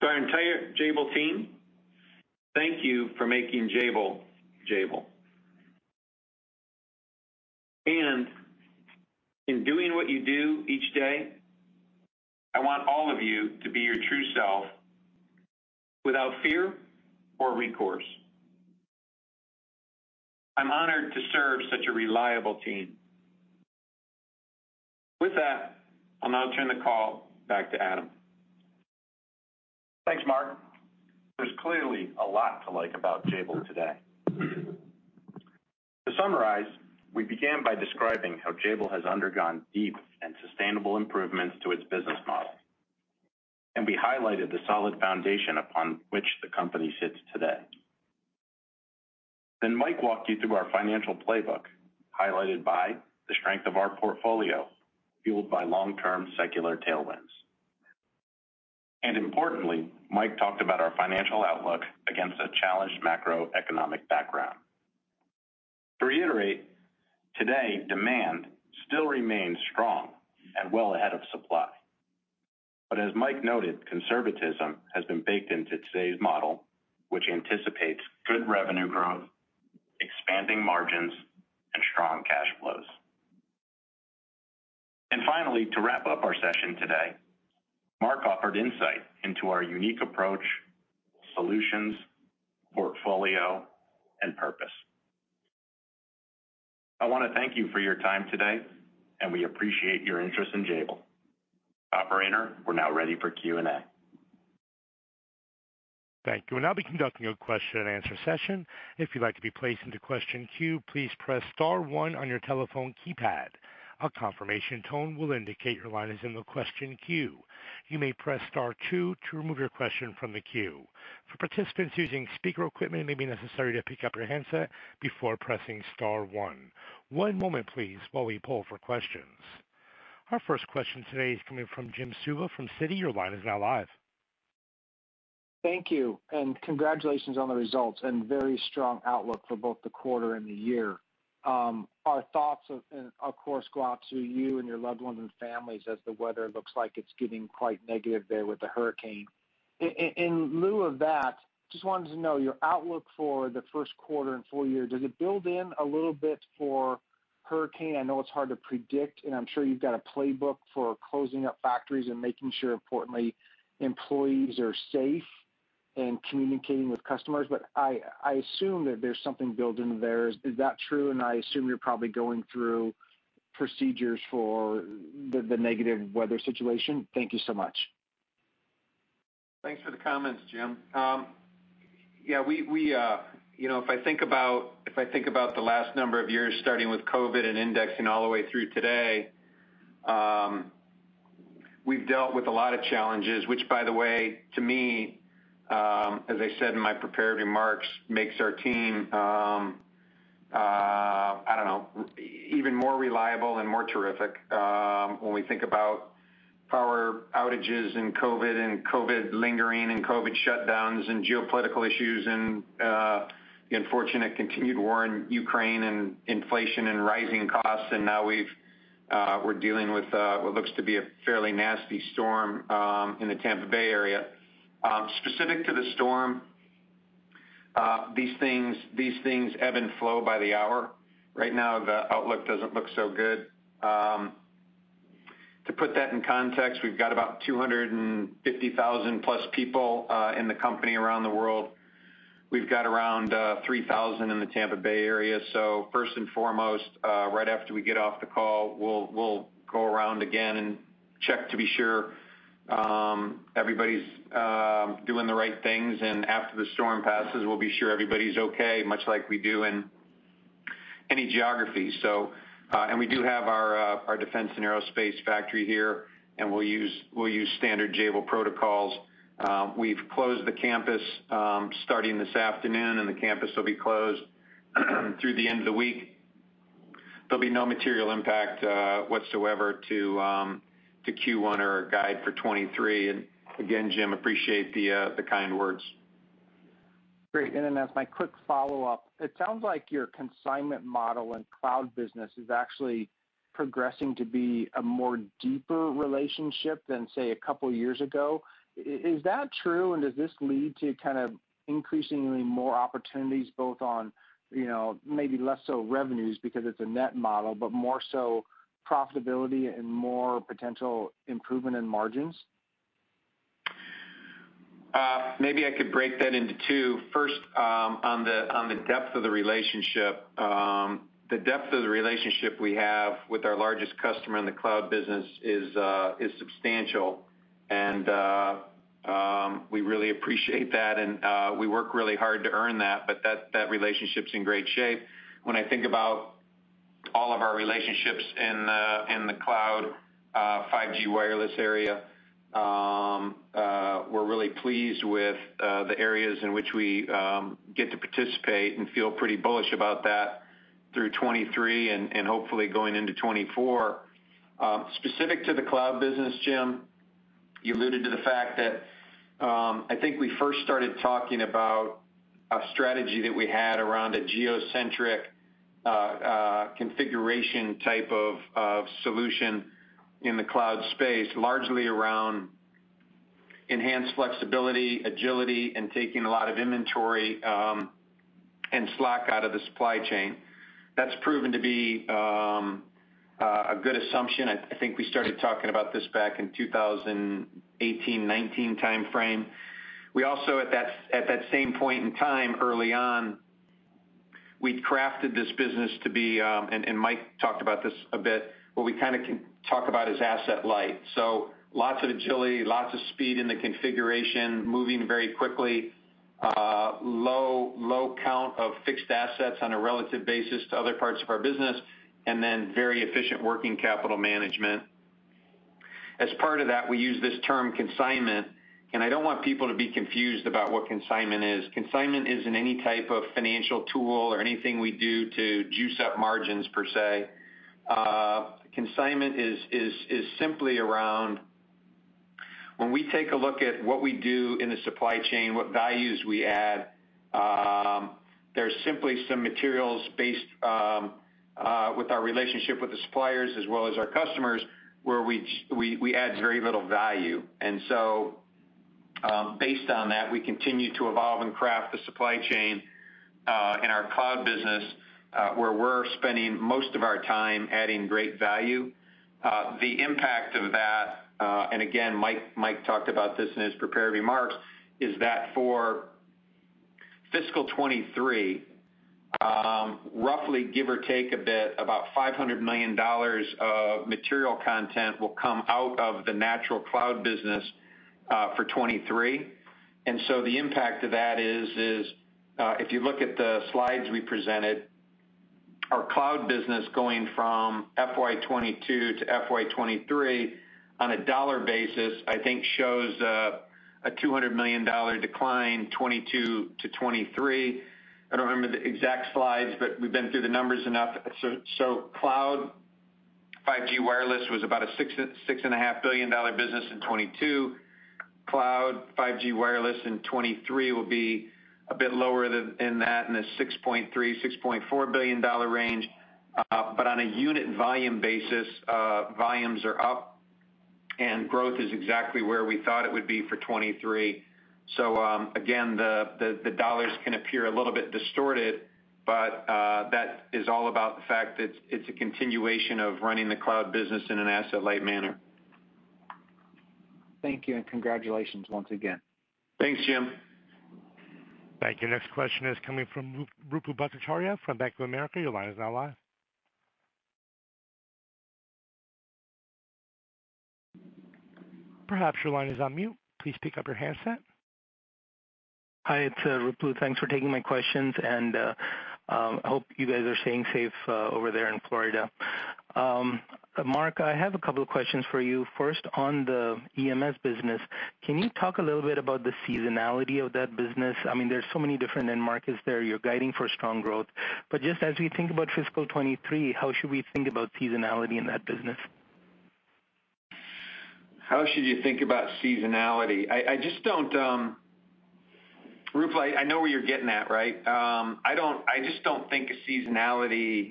To our entire Jabil team, thank you for making Jabil. In doing what you do each day, I want all of you to be your true self without fear or recourse. I'm honored to serve such a reliable team. With that, I'll now turn the call back to Adam. Thanks, Mark. There's clearly a lot to like about Jabil today. To summarize, we began by describing how Jabil has undergone deep and sustainable improvements to its business model. We highlighted the solid foundation upon which the company sits today. Mike walked you through our financial playbook, highlighted by the strength of our portfolio, fueled by long-term secular tailwinds. Importantly, Mike talked about our financial outlook against a challenged macroeconomic background. To reiterate, today, demand still remains strong and well ahead of supply. As Mike noted, conservatism has been baked into today's model, which anticipates good revenue growth, expanding margins, and strong cash flows. Finally, to wrap up our session today, Mark offered insight into our unique approach, solutions, portfolio, and purpose. I wanna thank you for your time today, and we appreciate your interest in Jabil. Operator, we're now ready for Q&A. Thank you. We'll now be conducting a question-and-answer session. If you'd like to be placed into question queue, please press star one on your telephone keypad. A confirmation tone will indicate your line is in the question queue. You may press star two to remove your question from the queue. For participants using speaker equipment, it may be necessary to pick up your handset before pressing star one. One moment please while we poll for questions. Our first question today is coming from Jim Suva from Citi. Your line is now live. Thank you, and congratulations on the results and very strong outlook for both the quarter and the year. Our thoughts of course go out to you and your loved ones and families as the weather looks like it's getting quite negative there with the hurricane. In lieu of that, just wanted to know your outlook for the Q1 and full year, does it build in a little bit for hurricane? I know it's hard to predict, and I'm sure you've got a playbook for closing up factories and making sure, importantly, employees are safe and communicating with customers, but I assume that there's something built into there. Is that true? I assume you're probably going through procedures for the negative weather situation. Thank you so much. Thanks for the comments, Jim. Yeah, we, you know, if I think about the last number of years starting with COVID and indexing all the way through today, we've dealt with a lot of challenges, which by the way, to me, as I said in my prepared remarks, makes our team, I don't know, even more reliable and more terrific. When we think about power outages and COVID and COVID lingering and COVID shutdowns and geopolitical issues and the unfortunate continued war in Ukraine and inflation and rising costs, and now we're dealing with what looks to be a fairly nasty storm in the Tampa Bay area. Specific to the storm, these things ebb and flow by the hour. Right now, the outlook doesn't look so good. To put that in context, we've got about 250,000 plus people in the company around the world. We've got around 3,000 in the Tampa Bay area. First and foremost, right after we get off the call, we'll go around again and check to be sure everybody's doing the right things. After the storm passes, we'll be sure everybody's okay, much like we do in any geography. We do have our defense and aerospace factory here, and we'll use standard Jabil protocols. We've closed the campus starting this afternoon, and the campus will be closed through the end of the week. There'll be no material impact whatsoever to Q1 or our guide for 2023. Again, Jim, appreciate the kind words. Great. As my quick follow-up, it sounds like your consignment model and cloud business is actually progressing to be a more deeper relationship than, say, a couple years ago. Is that true, and does this lead to kind of increasingly more opportunities both on, you know, maybe less so revenues because it's a net model, but more so profitability and more potential improvement in margins? Maybe I could break that into two. First, on the depth of the relationship. The depth of the relationship we have with our largest customer in the cloud business is substantial and we really appreciate that and we work really hard to earn that, but that relationship's in great shape. When I think about all of our relationships in the cloud, 5G wireless area, we're really pleased with the areas in which we get to participate and feel pretty bullish about that through 2023 and hopefully going into 2024. Specific to the cloud business, Jim, you alluded to the fact that, I think we first started talking about a strategy that we had around a geo-centric configuration type of solution in the cloud space, largely around enhanced flexibility, agility, and taking a lot of inventory and slack out of the supply chain. That's proven to be a good assumption. I think we started talking about this back in 2018, 2019 timeframe. We also, at that same point in time, early on, we'd crafted this business to be, and Mike talked about this a bit, what we kinda can talk about as asset-light. Lots of agility, lots of speed in the configuration, moving very quickly, low count of fixed assets on a relative basis to other parts of our business, and then very efficient working capital management. As part of that, we use this term consignment, and I don't want people to be confused about what consignment is. Consignment isn't any type of financial tool or anything we do to juice up margins per se. Consignment is simply around when we take a look at what we do in the supply chain, what values we add, there's simply some materials based with our relationship with the suppliers as well as our customers, where we add very little value. Based on that, we continue to evolve and craft the supply chain in our cloud business, where we're spending most of our time adding great value. The impact of that, and again, Mike talked about this in his prepared remarks, is that for fiscal 2023, roughly give or take a bit about $500 million of material content will come out of the natural cloud business for 2023. The impact of that is, if you look at the slides we presented. Our cloud business going from FY 2022 to FY 2023 on a dollar basis, I think shows a $200 million decline, 2022 to 2023. I don't remember the exact slides, but we've been through the numbers enough. Cloud, 5G wireless was about a $6.5 billion business in 2022. Cloud 5G wireless in 2023 will be a bit lower than that, in the $6.3-$6.4 billion range. But on a unit volume basis, volumes are up and growth is exactly where we thought it would be for 2023. Again, the dollars can appear a little bit distorted, but that is all about the fact that it's a continuation of running the cloud business in an asset-light manner. Thank you, and congratulations once again. Thanks, Jim. Thank you. Next question is coming from Ruplu Bhattacharya from Bank of America. Your line is now live. Perhaps your line is on mute. Please pick up your handset. Hi, it's Ruplu. Thanks for taking my questions, and I hope you guys are staying safe over there in Florida. Mark, I have a couple of questions for you. First, on the EMS business, can you talk a little bit about the seasonality of that business? I mean, there's so many different end markets there. You're guiding for strong growth. Just as we think about fiscal 2023, how should we think about seasonality in that business? How should you think about seasonality? I just don't, Ruplu, I know where you're getting at, right? I just don't think there's seasonality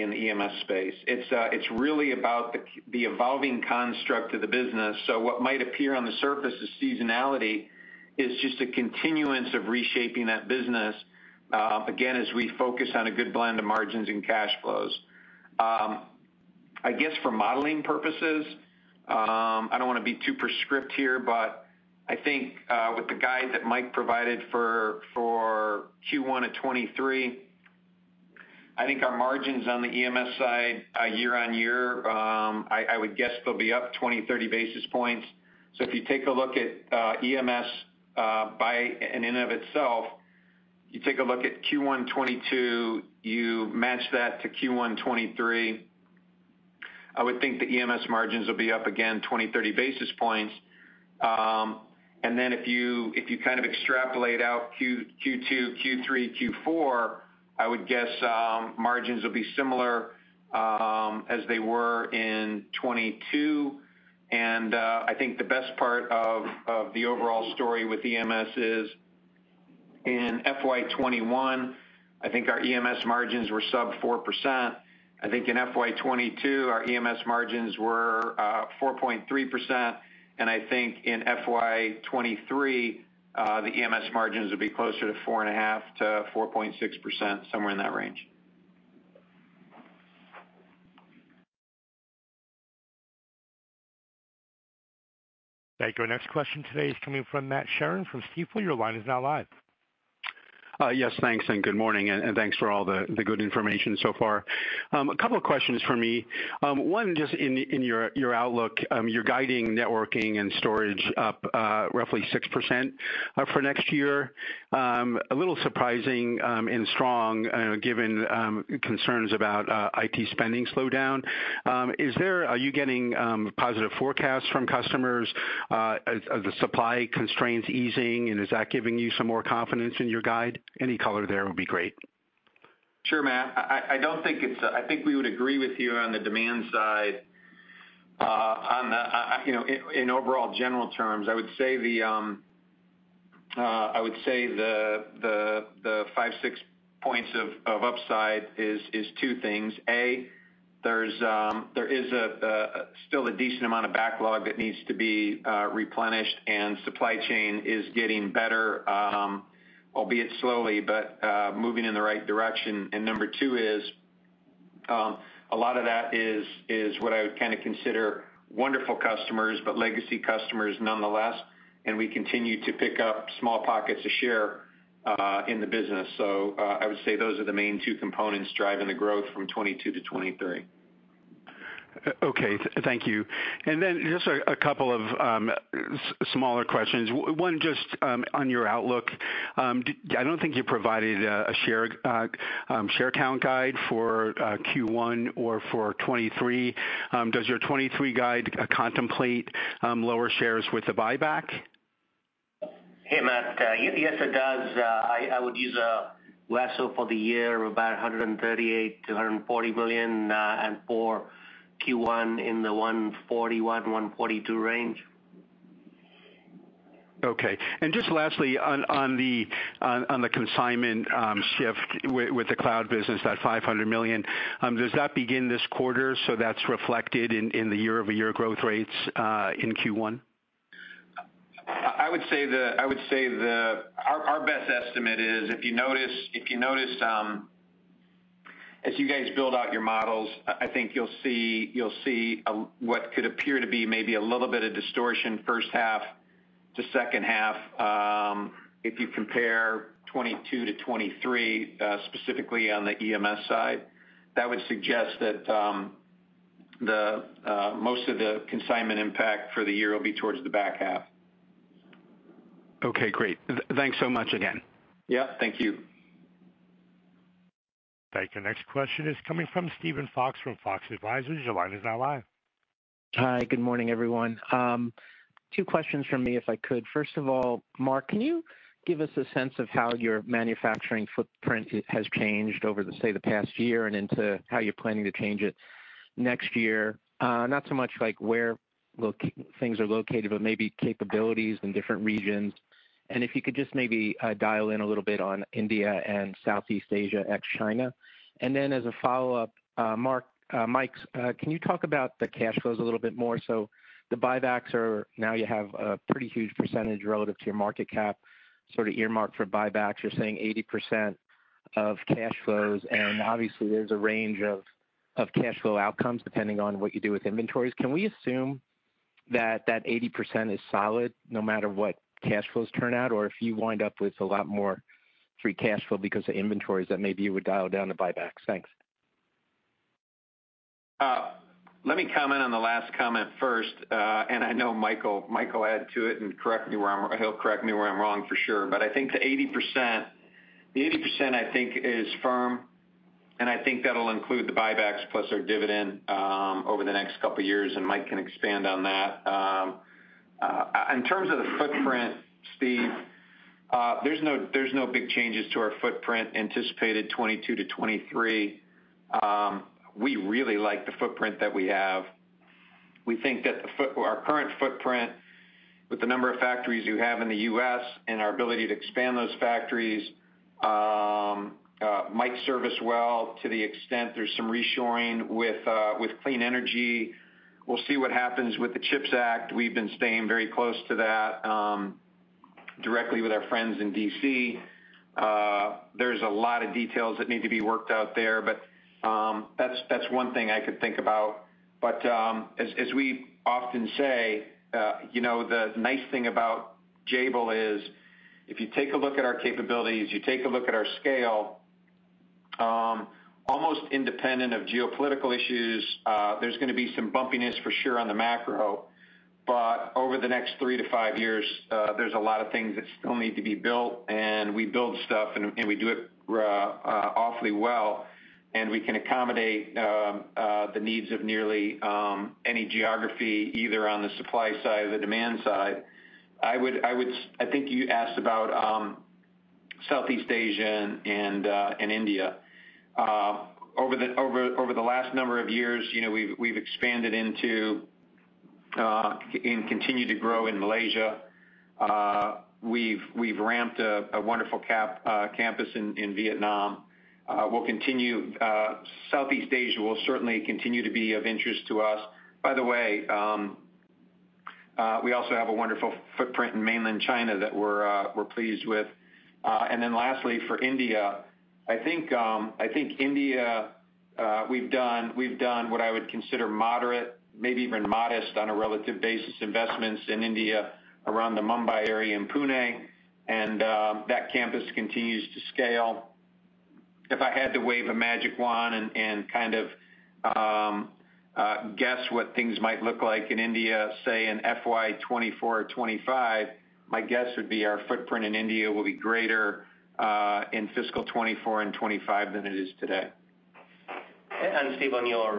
in the EMS space. It's really about the evolving construct of the business. What might appear on the surface as seasonality is just a continuance of reshaping that business, again, as we focus on a good blend of margins and cash flows. I guess for modeling purposes, I don't wanna be too prescriptive here, but I think, with the guide that Mike provided for Q1 of 2023, I think our margins on the EMS side, year-over-year, I would guess they'll be up 20-30 basis points. If you take a look at EMS, in and of itself, you take a look at Q1 2022, you match that to Q1 2023, I would think the EMS margins will be up again 20, 30 basis points. Then if you kind of extrapolate out Q2, Q3, Q4, I would guess margins will be similar as they were in 2022. I think the best part of the overall story with EMS is in FY 2021, I think our EMS margins were sub 4%. I think in FY 2022, our EMS margins were 4.3%, and I think in FY 2023 the EMS margins will be closer to 4.5%-4.6%, somewhere in that range. Thank you. Our next question today is coming from Matt Sheerin from Stifel. Your line is now live. Yes, thanks, and good morning, and thanks for all the good information so far. A couple of questions from me. One, just in your outlook, you're guiding networking and storage up roughly 6% for next year. A little surprising and strong given concerns about IT spending slowdown. Are you getting positive forecasts from customers? Are the supply constraints easing, and is that giving you some more confidence in your guide? Any color there would be great. Sure, Matt. I think we would agree with you on the demand side. You know, in overall general terms, I would say the 5-6 points of upside is two things. A, there is still a decent amount of backlog that needs to be replenished and supply chain is getting better, albeit slowly, but moving in the right direction. Number two is, a lot of that is what I would kinda consider wonderful customers, but legacy customers nonetheless, and we continue to pick up small pockets of share in the business. I would say those are the main two components driving the growth from 2022 to 2023. Okay, thank you. Just a couple of smaller questions. One, just on your outlook. I don't think you provided a share count guide for Q1 or for 2023. Does your 2023 guide contemplate lower shares with the buyback? Hey, Matt. Yes, it does. I would use let's say for the year, about $138 million-$140 million, and for Q1 in the $141 million-$142 million range. Okay. Just lastly on the consignment shift with the cloud business, that $500 million, does that begin this quarter, so that's reflected in the year-over-year growth rates in Q1? I would say our best estimate is if you notice, as you guys build out your models, I think you'll see what could appear to be maybe a little bit of distortion first half to second half, if you compare 2022 to 2023, specifically on the EMS side. That would suggest that the most of the consignment impact for the year will be towards the back half. Okay, great. Thanks so much again. Yeah, thank you. Thank you. Next question is coming from Steven Fox from Fox Advisors. Your line is now live. Hi, good morning, everyone. Two questions from me, if I could. First of all, Mark, can you give us a sense of how your manufacturing footprint has changed over the, say, the past year and into how you're planning to change it next year? Not so much like where things are located, but maybe capabilities in different regions. If you could just maybe dial in a little bit on India and Southeast Asia, ex-China. As a follow-up, Mark, Mike, can you talk about the cash flows a little bit more? The buybacks are now you have a pretty huge percentage relative to your market cap sort of earmarked for buybacks. You're saying 80% of cash flows, and obviously there's a range of cash flow outcomes depending on what you do with inventories. Can we assume that that 80% is solid no matter what cash flows turn out, or if you wind up with a lot more free cash flow because of inventories, that maybe you would dial down the buybacks? Thanks. Let me comment on the last comment first, and I know Mike'll add to it and correct me where I'm wrong for sure. I think the 80% is firm, and I think that'll include the buybacks plus our dividend over the next couple years, and Mike can expand on that. In terms of the footprint, Steven, there's no big changes to our footprint anticipated 2022-2023. We really like the footprint that we have. We think that our current footprint with the number of factories you have in the U.S. and our ability to expand those factories might serve us well to the extent there's some reshoring with clean energy. We'll see what happens with the CHIPS Act. We've been staying very close to that, directly with our friends in D.C. There's a lot of details that need to be worked out there, but that's one thing I could think about. As we often say, you know, the nice thing about Jabil is if you take a look at our capabilities, you take a look at our scale, almost independent of geopolitical issues, there's gonna be some bumpiness for sure on the macro. Over the next 3-5 years, there's a lot of things that still need to be built, and we build stuff and we do it awfully well. We can accommodate the needs of nearly any geography, either on the supply side or the demand side. I think you asked about Southeast Asia and India. Over the last number of years, you know, we've expanded into and continue to grow in Malaysia. We've ramped a wonderful campus in Vietnam. Southeast Asia will certainly continue to be of interest to us. By the way, we also have a wonderful footprint in mainland China that we're pleased with. Then lastly, for India, I think India, we've done what I would consider moderate, maybe even modest on a relative basis, investments in India around the Mumbai area in Pune, and that campus continues to scale. If I had to wave a magic wand and kind of guess what things might look like in India, say in FY 2024 or 2025, my guess would be our footprint in India will be greater in fiscal 2024 and 2025 than it is today. Steve, on your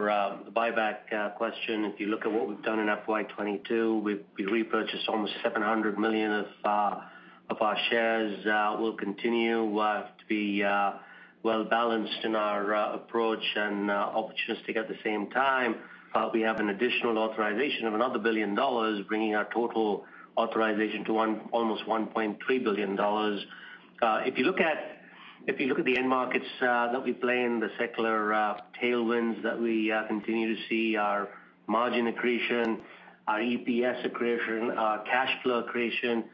buyback question, if you look at what we've done in FY 2022, we've repurchased almost $700 million of our shares. We'll continue to be well-balanced in our approach and opportunistic at the same time. We have an additional authorization of another $1 billion, bringing our total authorization to almost $1.3 billion. If you look at the end markets that we play in, the secular tailwinds that we continue to see, our margin accretion, our EPS accretion, our cash flow accretion,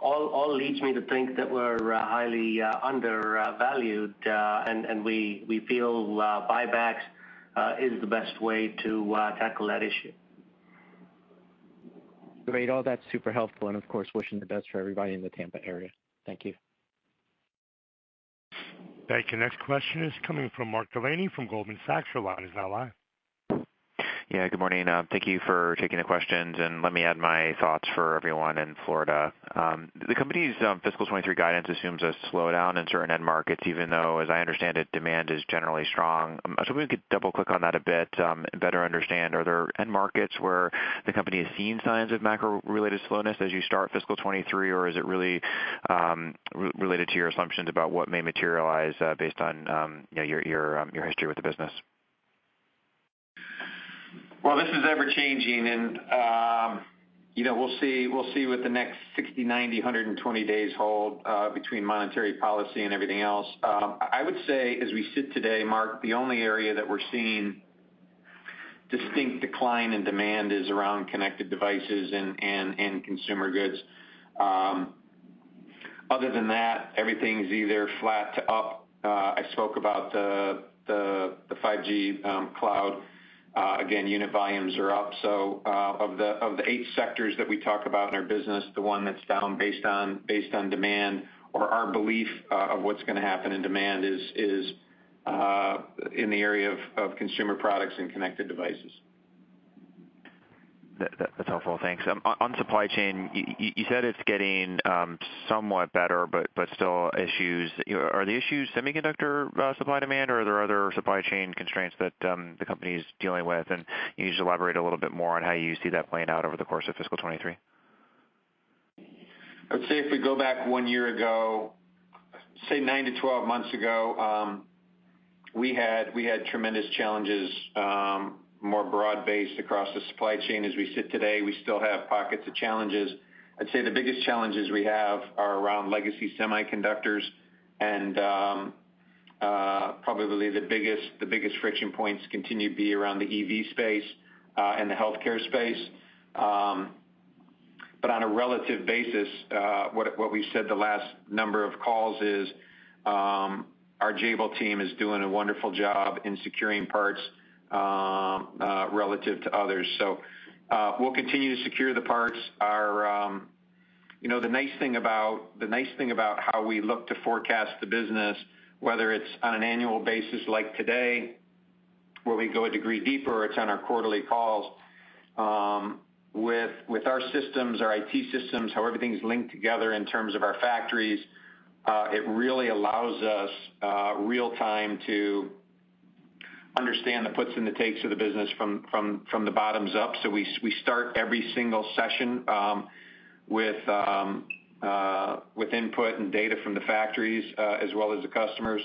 all leads me to think that we're highly undervalued. And we feel buybacks is the best way to tackle that issue. Great. All that's super helpful, and of course, wishing the best for everybody in the Tampa area. Thank you. Thank you. Next question is coming from Mark Delaney from Goldman Sachs. Your line is now live. Good morning. Thank you for taking the questions, and let me add my thoughts for everyone in Florida. The company's fiscal 2023 guidance assumes a slowdown in certain end markets, even though, as I understand it, demand is generally strong. If we could double-click on that a bit, and better understand, are there end markets where the company is seeing signs of macro-related slowness as you start fiscal 2023? Is it really related to your assumptions about what may materialize, based on, you know, your history with the business? Well, this is ever-changing, and, you know, we'll see what the next 60, 90, 120 days hold, between monetary policy and everything else. I would say as we sit today, Mark, the only area that we're seeing distinct decline in demand is around connected devices and consumer goods. Other than that, everything's either flat to up. I spoke about the 5G cloud. Again, unit volumes are up. Of the 8 sectors that we talk about in our business, the one that's down based on demand or our belief of what's gonna happen in demand is in the area of consumer products and connected devices. That, that's helpful. Thanks. On supply chain, you said it's getting somewhat better, but still issues. You know, are the issues semiconductor supply-demand, or are there other supply chain constraints that the company's dealing with? Can you just elaborate a little bit more on how you see that playing out over the course of fiscal 2023? I would say if we go back one year ago, say 9-12 months ago, we had tremendous challenges, more broad-based across the supply chain. As we sit today, we still have pockets of challenges. I'd say the biggest challenges we have are around legacy semiconductors and, probably the biggest friction points continue to be around the EV space, and the healthcare space. On a relative basis, what we've said the last number of calls is, our Jabil team is doing a wonderful job in securing parts, relative to others. We'll continue to secure the parts. Our...You know, the nice thing about how we look to forecast the business, whether it's on an annual basis like today, where we go a degree deeper, it's on our quarterly calls, with our systems, our IT systems, how everything's linked together in terms of our factories. It really allows us real-time to understand the puts and the takes of the business from the bottom up. We start every single session with input and data from the factories as well as the customers.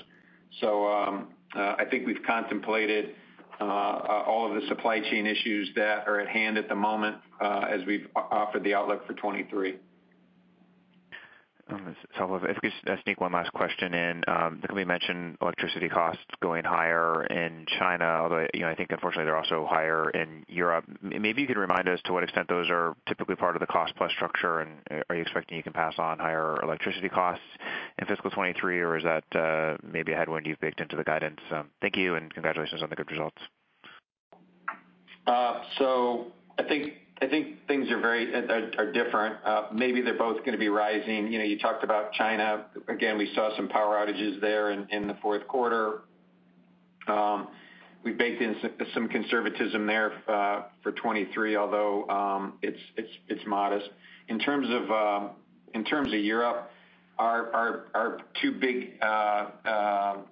I think we've contemplated all of the supply chain issues that are at hand at the moment as we've offered the outlook for 2023. That's helpful. If I could just sneak one last question in. I think we mentioned electricity costs going higher in China, although, you know, I think unfortunately they're also higher in Europe. Maybe you could remind us to what extent those are typically part of the cost plus structure. Are you expecting you can pass on higher electricity costs in fiscal 2023, or is that, maybe a headwind you've baked into the guidance? Thank you, and congratulations on the good results. I think things are different. Maybe they're both gonna be rising. You know, you talked about China. Again, we saw some power outages there in the Q4. We've baked in some conservatism there for 2023, although it's modest. In terms of Europe, our two big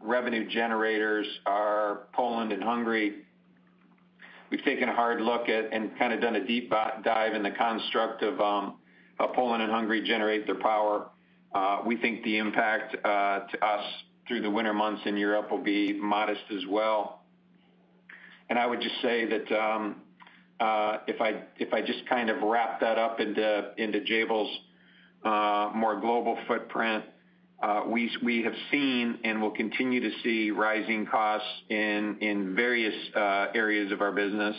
revenue generators are Poland and Hungary. We've taken a hard look at and kind of done a deep dive in the construct of how Poland and Hungary generate their power. We think the impact to us through the winter months in Europe will be modest as well. I would just say that if I just kind of wrap that up into Jabil's more global footprint, we have seen and will continue to see rising costs in various areas of our business.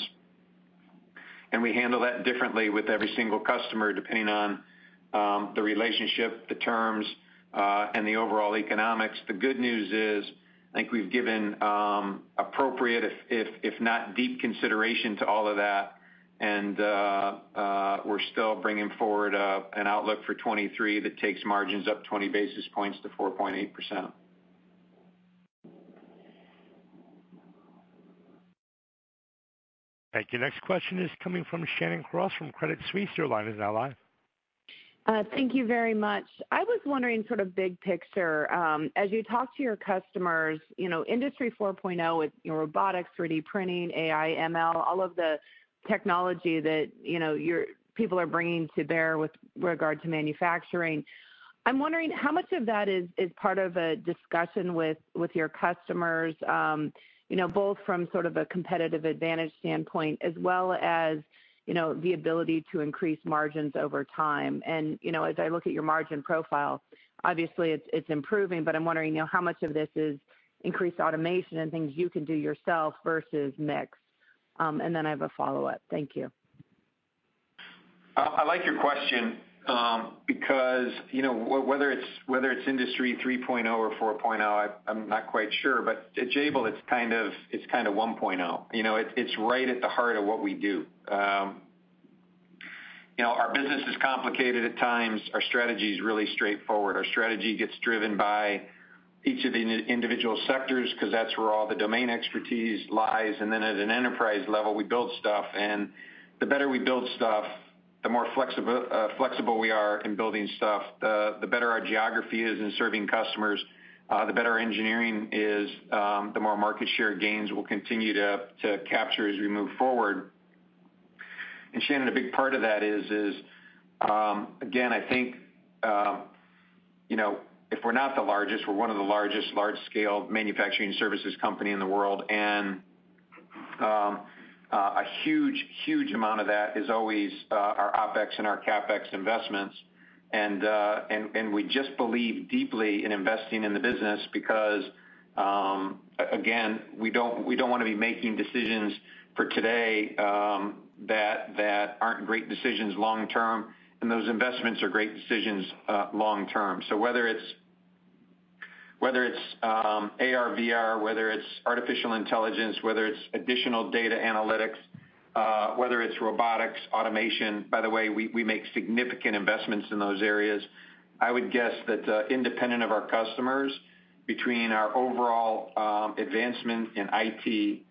We handle that differently with every single customer, depending on the relationship, the terms, and the overall economics. The good news is, I think we've given appropriate, if not deep, consideration to all of that. We're still bringing forward an outlook for 2023 that takes margins up 20 basis points to 4.8%. Thank you. Next question is coming from Shannon Cross from Credit Suisse. Your line is now live. Thank you very much. I was wondering sort of big picture, as you talk to your customers, you know, Industry 4.0 with, you know, robotics, 3D printing, AI, ML, all of the technology that, you know, people are bringing to bear with regard to manufacturing. I'm wondering how much of that is part of a discussion with your customers, you know, both from sort of a competitive advantage standpoint as well as, you know, the ability to increase margins over time. As I look at your margin profile, obviously it's improving, but I'm wondering, you know, how much of this is increased automation and things you can do yourself versus mix. I have a follow-up. Thank you. I like your question, because, you know, whether it's Industry 3.0 or 4.0, I'm not quite sure, but at Jabil, it's kind of 1.0. It's right at the heart of what we do. Our business is complicated at times. Our strategy is really straightforward. Our strategy gets driven by each of the individual sectors, 'cause that's where all the domain expertise lies. Then at an enterprise level, we build stuff. The better we build stuff, the more flexible we are in building stuff, the better our geography is in serving customers, the better our engineering is, the more market share gains we'll continue to capture as we move forward. Shannon, a big part of that is, again, I think, you know, if we're not the largest, we're one of the largest large scale manufacturing services company in the world. A huge amount of that is always our OpEx and our CapEx investments. We just believe deeply in investing in the business because, again, we don't wanna be making decisions for today, that aren't great decisions long term. Those investments are great decisions long term. Whether it's AR/VR, whether it's artificial intelligence, whether it's additional data analytics, whether it's robotics, automation. By the way, we make significant investments in those areas. I would guess that, independent of our customers, between our overall advancement in IT,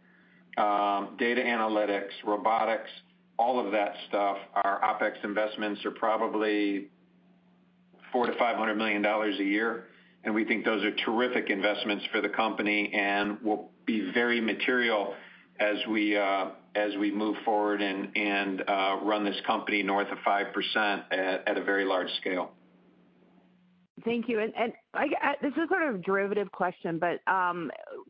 data analytics, robotics, all of that stuff, our OpEx investments are probably $400 million-$500 million a year, and we think those are terrific investments for the company and will be very material as we move forward and run this company north of 5% at a very large scale. Thank you. Like, this is sort of a derivative question, but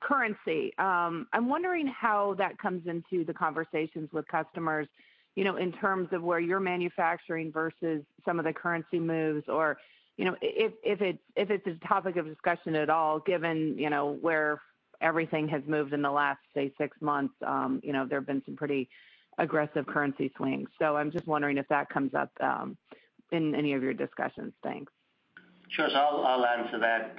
currency. I'm wondering how that comes into the conversations with customers, you know, in terms of where you're manufacturing versus some of the currency moves or, you know, if it's a topic of discussion at all, given, you know, where everything has moved in the last, say, six months. There have been some pretty aggressive currency swings. I'm just wondering if that comes up in any of your discussions. Thanks. Sure. I'll answer that.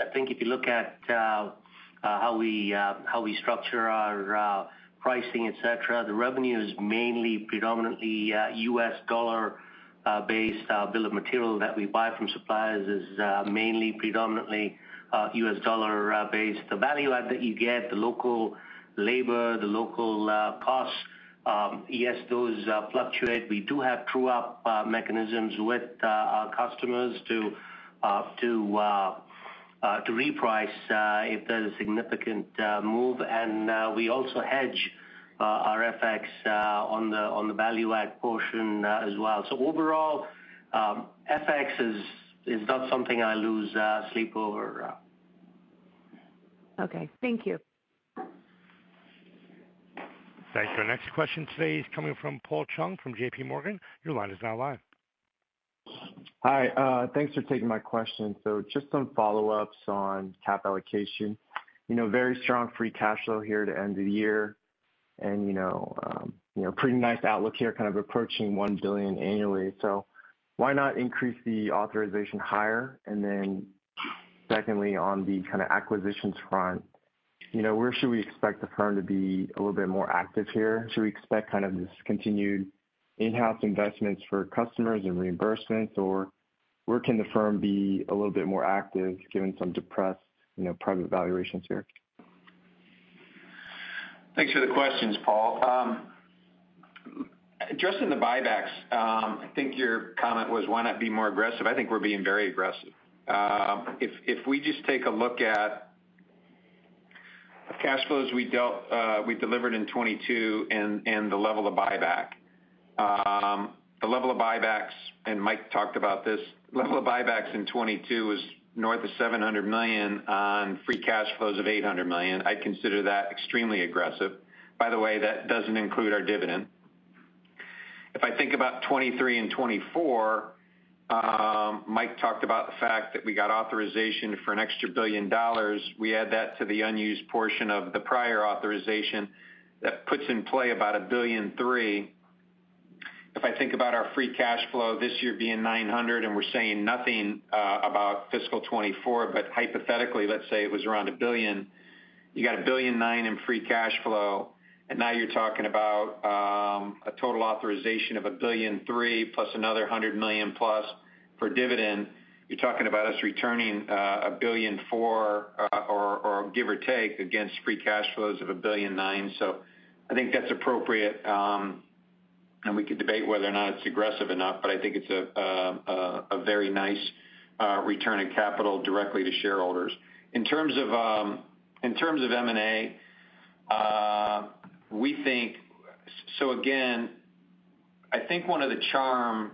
I think if you look at how we structure our pricing, et cetera, the revenue is mainly predominantly US dollar based. Our bill of material that we buy from suppliers is mainly predominantly US dollar based. The value add that you get, the local labor, the local costs, yes, those fluctuate. We do have true-up mechanisms with our customers to reprice if there's a significant move, and we also hedge our FX on the value add portion as well. Overall, FX is not something I lose sleep over. Okay. Thank you. Thanks. Our next question today is coming from Paul Chung from J.P. Morgan. Your line is now live. Hi. Thanks for taking my question. Just some follow-ups on cap allocation. Very strong free cash flow here to end the year and, you know, pretty nice outlook here, kind of approaching $1 billion annually. Why not increase the authorization higher? Secondly, on the kind of acquisitions front, you know, where should we expect the firm to be a little bit more active here? Should we expect kind of this continued in-house investments for customers and reimbursements, or where can the firm be a little bit more active given some depressed, you know, private valuations here? Thanks for the questions, Paul. Addressing the buybacks, I think your comment was, why not be more aggressive? I think we're being very aggressive. If we just take a look at the cash flows we delivered in 2022 and the level of buybacks, Mike talked about this, level of buybacks in 2022 was north of $700 million on free cash flows of $800 million. I consider that extremely aggressive. By the way, that doesn't include our dividend. If I think about 2023 and 2024, Mike talked about the fact that we got authorization for an extra $1 billion. We add that to the unused portion of the prior authorization, that puts in play about $1.3 billion. If I think about our free cash flow this year being $900 million, and we're saying nothing about fiscal 2024, but hypothetically, let's say it was around $1 billion. You got $1.9 billion in free cash flow, and now you're talking about a total authorization of $1.3 billion plus another $100 million plus for dividend. You're talking about us returning $1 billion, or give or take against free cash flows of $1.9 billion. I think that's appropriate, and we can debate whether or not it's aggressive enough, but I think it's a very nice return of capital directly to shareholders. In terms of M&A, we think. Again, I think one of the charm,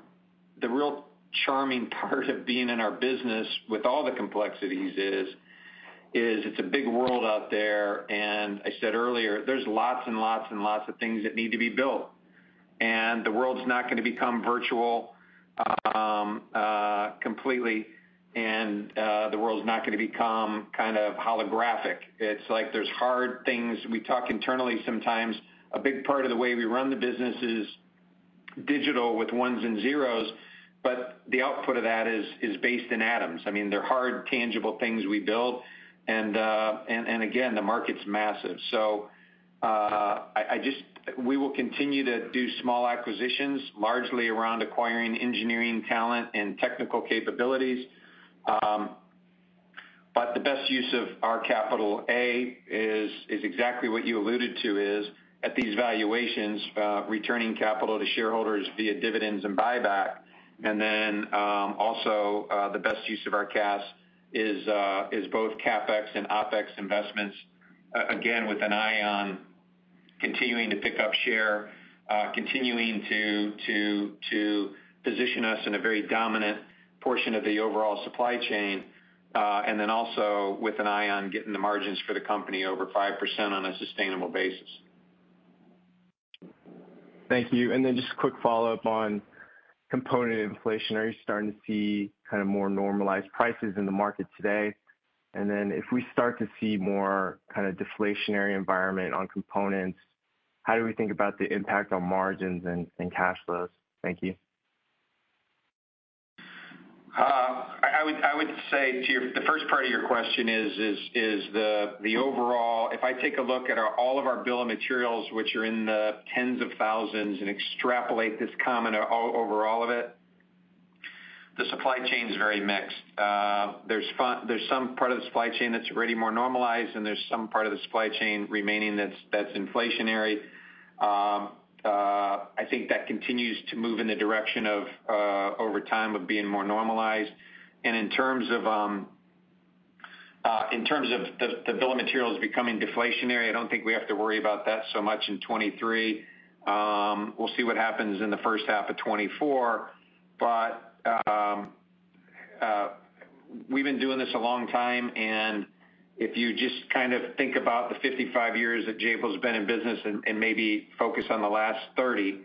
the real charming part of being in our business with all the complexities is it's a big world out there, and I said earlier, there's lots and lots and lots of things that need to be built. The world's not gonna become virtual completely, and the world's not gonna become kind of holographic. It's like there's hard things. We talk internally sometimes. A big part of the way we run the business is digital with ones and zeros, but the output of that is based in atoms. I mean, they're hard, tangible things we build and again, the market's massive. We will continue to do small acquisitions, largely around acquiring engineering talent and technical capabilities. The best use of our capital is exactly what you alluded to, at these valuations, returning capital to shareholders via dividends and buyback. Then, also, the best use of our cash is both CapEx and OpEx investments, again, with an eye on continuing to pick up share, continuing to position us in a very dominant portion of the overall supply chain, and then also with an eye on getting the margins for the company over 5% on a sustainable basis. Thank you. Then just quick follow-up on component inflation. Are you starting to see kind of more normalized prices in the market today? Then if we start to see more kind of deflationary environment on components, how do we think about the impact on margins and cash flows? Thank you. I would say the first part of your question is the overall. If I take a look at all of our bill of materials, which are in the tens of thousands and extrapolate this comment over all of it, the supply chain's very mixed. There's some part of the supply chain that's already more normalized, and there's some part of the supply chain remaining that's inflationary. I think that continues to move in the direction of over time of being more normalized. In terms of the bill of materials becoming deflationary, I don't think we have to worry about that so much in 2023. We'll see what happens in the first half of 2024. We've been doing this a long time, and if you just kind of think about the 55 years that Jabil's been in business and maybe focus on the last 30,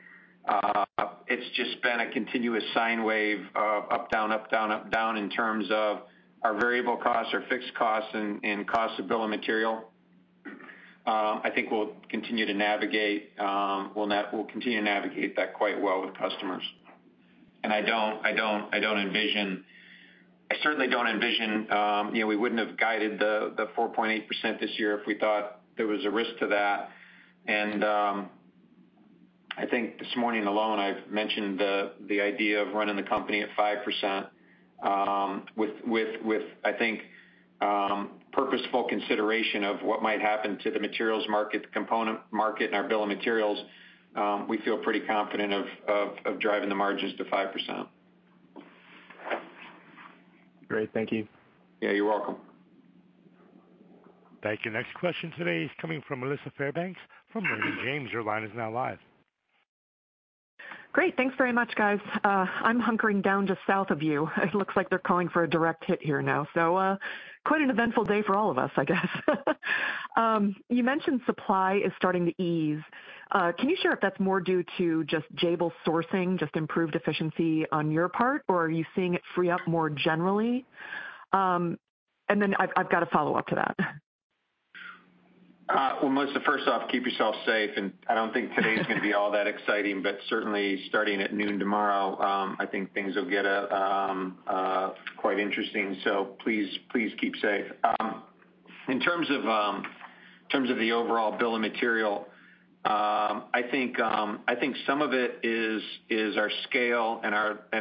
it's just been a continuous sine wave of up, down, up, down, up, down in terms of our variable costs, our fixed costs and costs of bill of material. I think we'll continue to navigate that quite well with customers. I don't envision. I certainly don't envision, you know, we wouldn't have guided the 4.8% this year if we thought there was a risk to that. I think this morning alone, I've mentioned the idea of running the company at 5% with purposeful consideration of what might happen to the materials market, the component market, and our bill of materials. We feel pretty confident of driving the margins to 5%. Great. Thank you. Yeah, you're welcome. Thank you. Next question today is coming from Melissa Fairbanks from Raymond James. Your line is now live. Great. Thanks very much, guys. I'm hunkering down just south of you. It looks like they're calling for a direct hit here now, so quite an eventful day for all of us, I guess. You mentioned supply is starting to ease. Can you share if that's more due to just Jabil sourcing, just improved efficiency on your part, or are you seeing it free up more generally? I've got a follow-up to that. Well, Melissa, first off, keep yourself safe, and I don't think today's gonna be all that exciting, but certainly starting at noon tomorrow, I think things will get quite interesting, so please keep safe. In terms of the overall bill of material, I think some of it is our scale and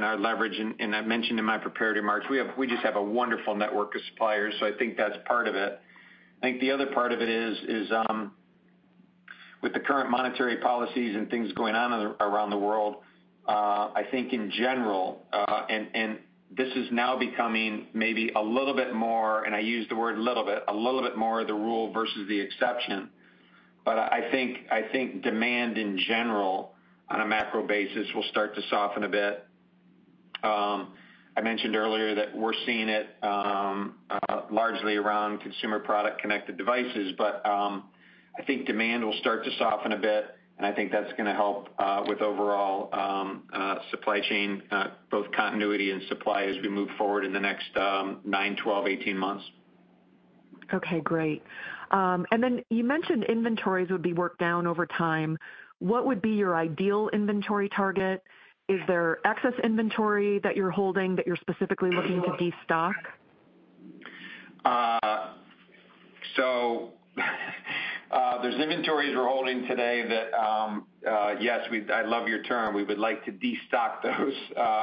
our leverage, and I mentioned in my prepared remarks, we just have a wonderful network of suppliers, so I think that's part of it. I think the other part of it is with the current monetary policies and things going on around the world, I think in general, and this is now becoming maybe a little bit more, and I use the word a little bit, a little bit more the rule versus the exception, but I think demand in general, on a macro basis, will start to soften a bit. I mentioned earlier that we're seeing it largely around consumer product connected devices, but I think demand will start to soften a bit, and I think that's gonna help with overall supply chain both continuity and supply as we move forward in the next 9, 12, 18 months. Okay. Great. You mentioned inventories would be worked down over time. What would be your ideal inventory target? Is there excess inventory that you're holding that you're specifically looking to destock? There's inventories we're holding today that, yes, I love your term. We would like to destock those,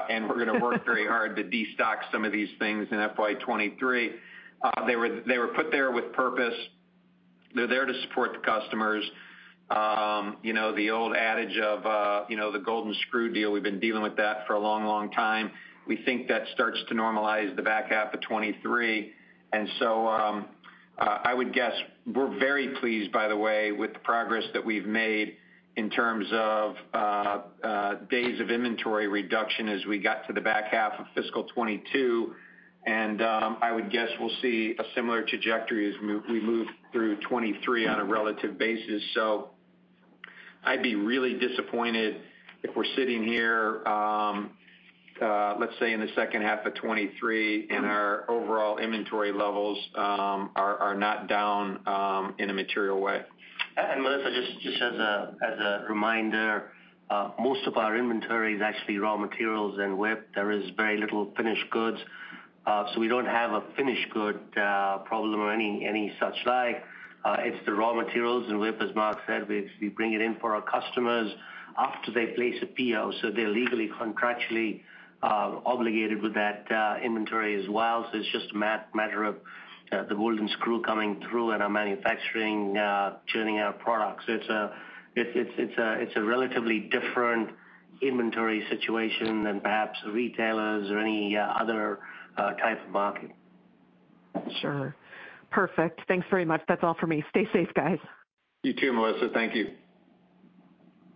and we're gonna work very hard to destock some of these things in FY 2023. They were put there with purpose. They're there to support the customers. The old adage of, you know, the golden screw deal, we've been dealing with that for a long, long time. We think that starts to normalize the back half of 2023. I would guess we're very pleased, by the way, with the progress that we've made in terms of, days of inventory reduction as we got to the back half of fiscal 2022, and I would guess we'll see a similar trajectory as we move through 2023 on a relative basis. I'd be really disappointed if we're sitting here, let's say in the second half of 2023 and our overall inventory levels are not down in a material way. Melissa, just as a reminder, most of our inventory is actually raw materials and WIP. There is very little finished goods, so we don't have a finished good problem or any such like. It's the raw materials and WIP, as Mark said. We bring it in for our customers after they place a PO, so they're legally contractually obligated with that inventory as well. It's just a matter of the golden screw coming through and our manufacturing churning out products. It's a relatively different inventory situation than perhaps retailers or any other type of market. Sure. Perfect. Thanks very much. That's all for me. Stay safe, guys. You too, Melissa. Thank you.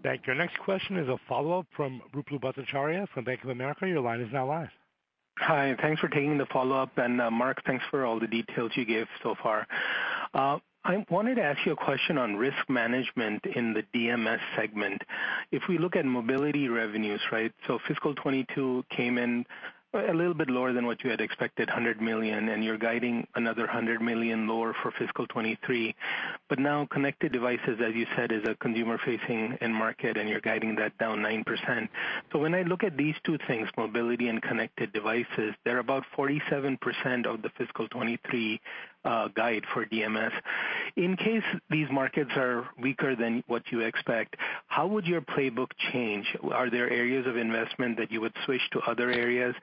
Thank you. Next question is a follow-up from Ruplu Bhattacharya from Bank of America. Your line is now live. Hi, thanks for taking the follow-up. Mark, thanks for all the details you gave so far. I wanted to ask you a question on risk management in the DMS segment. If we look at mobility revenues, right? Fiscal 2022 came in a little bit lower than what you had expected, $100 million, and you're guiding another $100 million lower for fiscal 2023. Now connected devices, as you said, is a consumer-facing end market, and you're guiding that down 9%. When I look at these two things, mobility and connected devices, they're about 47% of the fiscal 2023 guide for DMS. In case these markets are weaker than what you expect, how would your playbook change? Are there areas of investment that you would switch to other areas?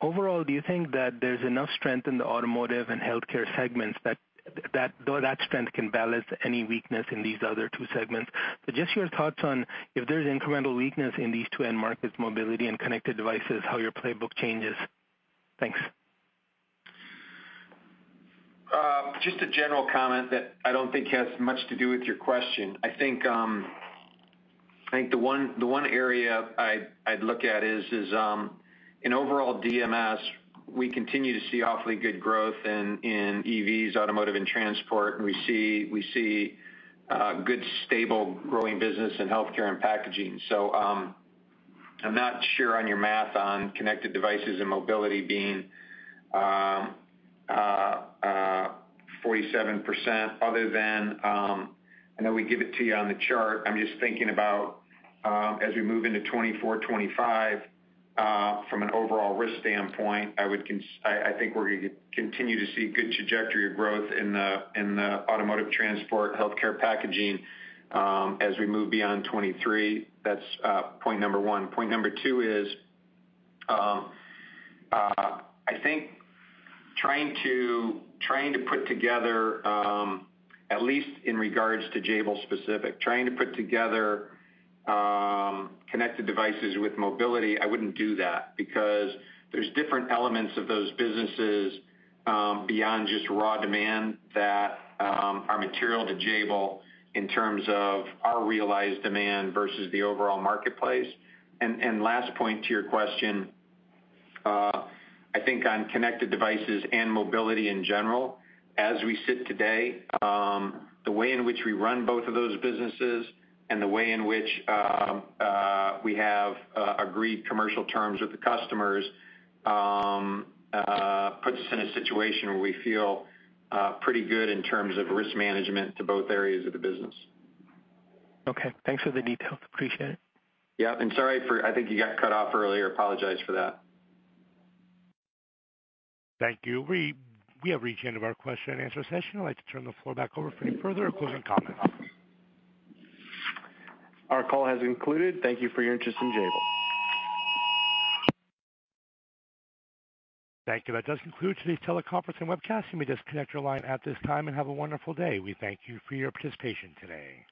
Overall, do you think that there's enough strength in the automotive and healthcare segments that strength can balance any weakness in these other two segments? Just your thoughts on if there's incremental weakness in these two end markets, mobility and connected devices, how your playbook changes? Thanks. Just a general comment that I don't think has much to do with your question. I think the one area I'd look at is in overall DMS, we continue to see awfully good growth in EVs, automotive, and transport. We see good, stable growing business in healthcare and packaging. I'm not sure on your math on connected devices and mobility being 47% other than I know we give it to you on the chart. I'm just thinking about as we move into 2024, 2025 from an overall risk standpoint, I think we're gonna continue to see good trajectory of growth in the automotive transport, healthcare packaging as we move beyond 2023. That's point number one. Point number two is, I think trying to put together at least in regards to Jabil specific connected devices with mobility, I wouldn't do that because there's different elements of those businesses beyond just raw demand that are material to Jabil in terms of our realized demand versus the overall marketplace. Last point to your question, I think on connected devices and mobility in general, as we sit today, the way in which we run both of those businesses and the way in which we have agreed commercial terms with the customers puts us in a situation where we feel pretty good in terms of risk management to both areas of the business. Okay, thanks for the details. Appreciate it. Yeah. I think you got cut off earlier. I apologize for that. Thank you. We have reached the end of our question and answer session. I'd like to turn the floor back over for any further or closing comments. Our call has concluded. Thank you for your interest in Jabil. Thank you. That does conclude today's teleconference and webcast. You may disconnect your line at this time and have a wonderful day. We thank you for your participation today.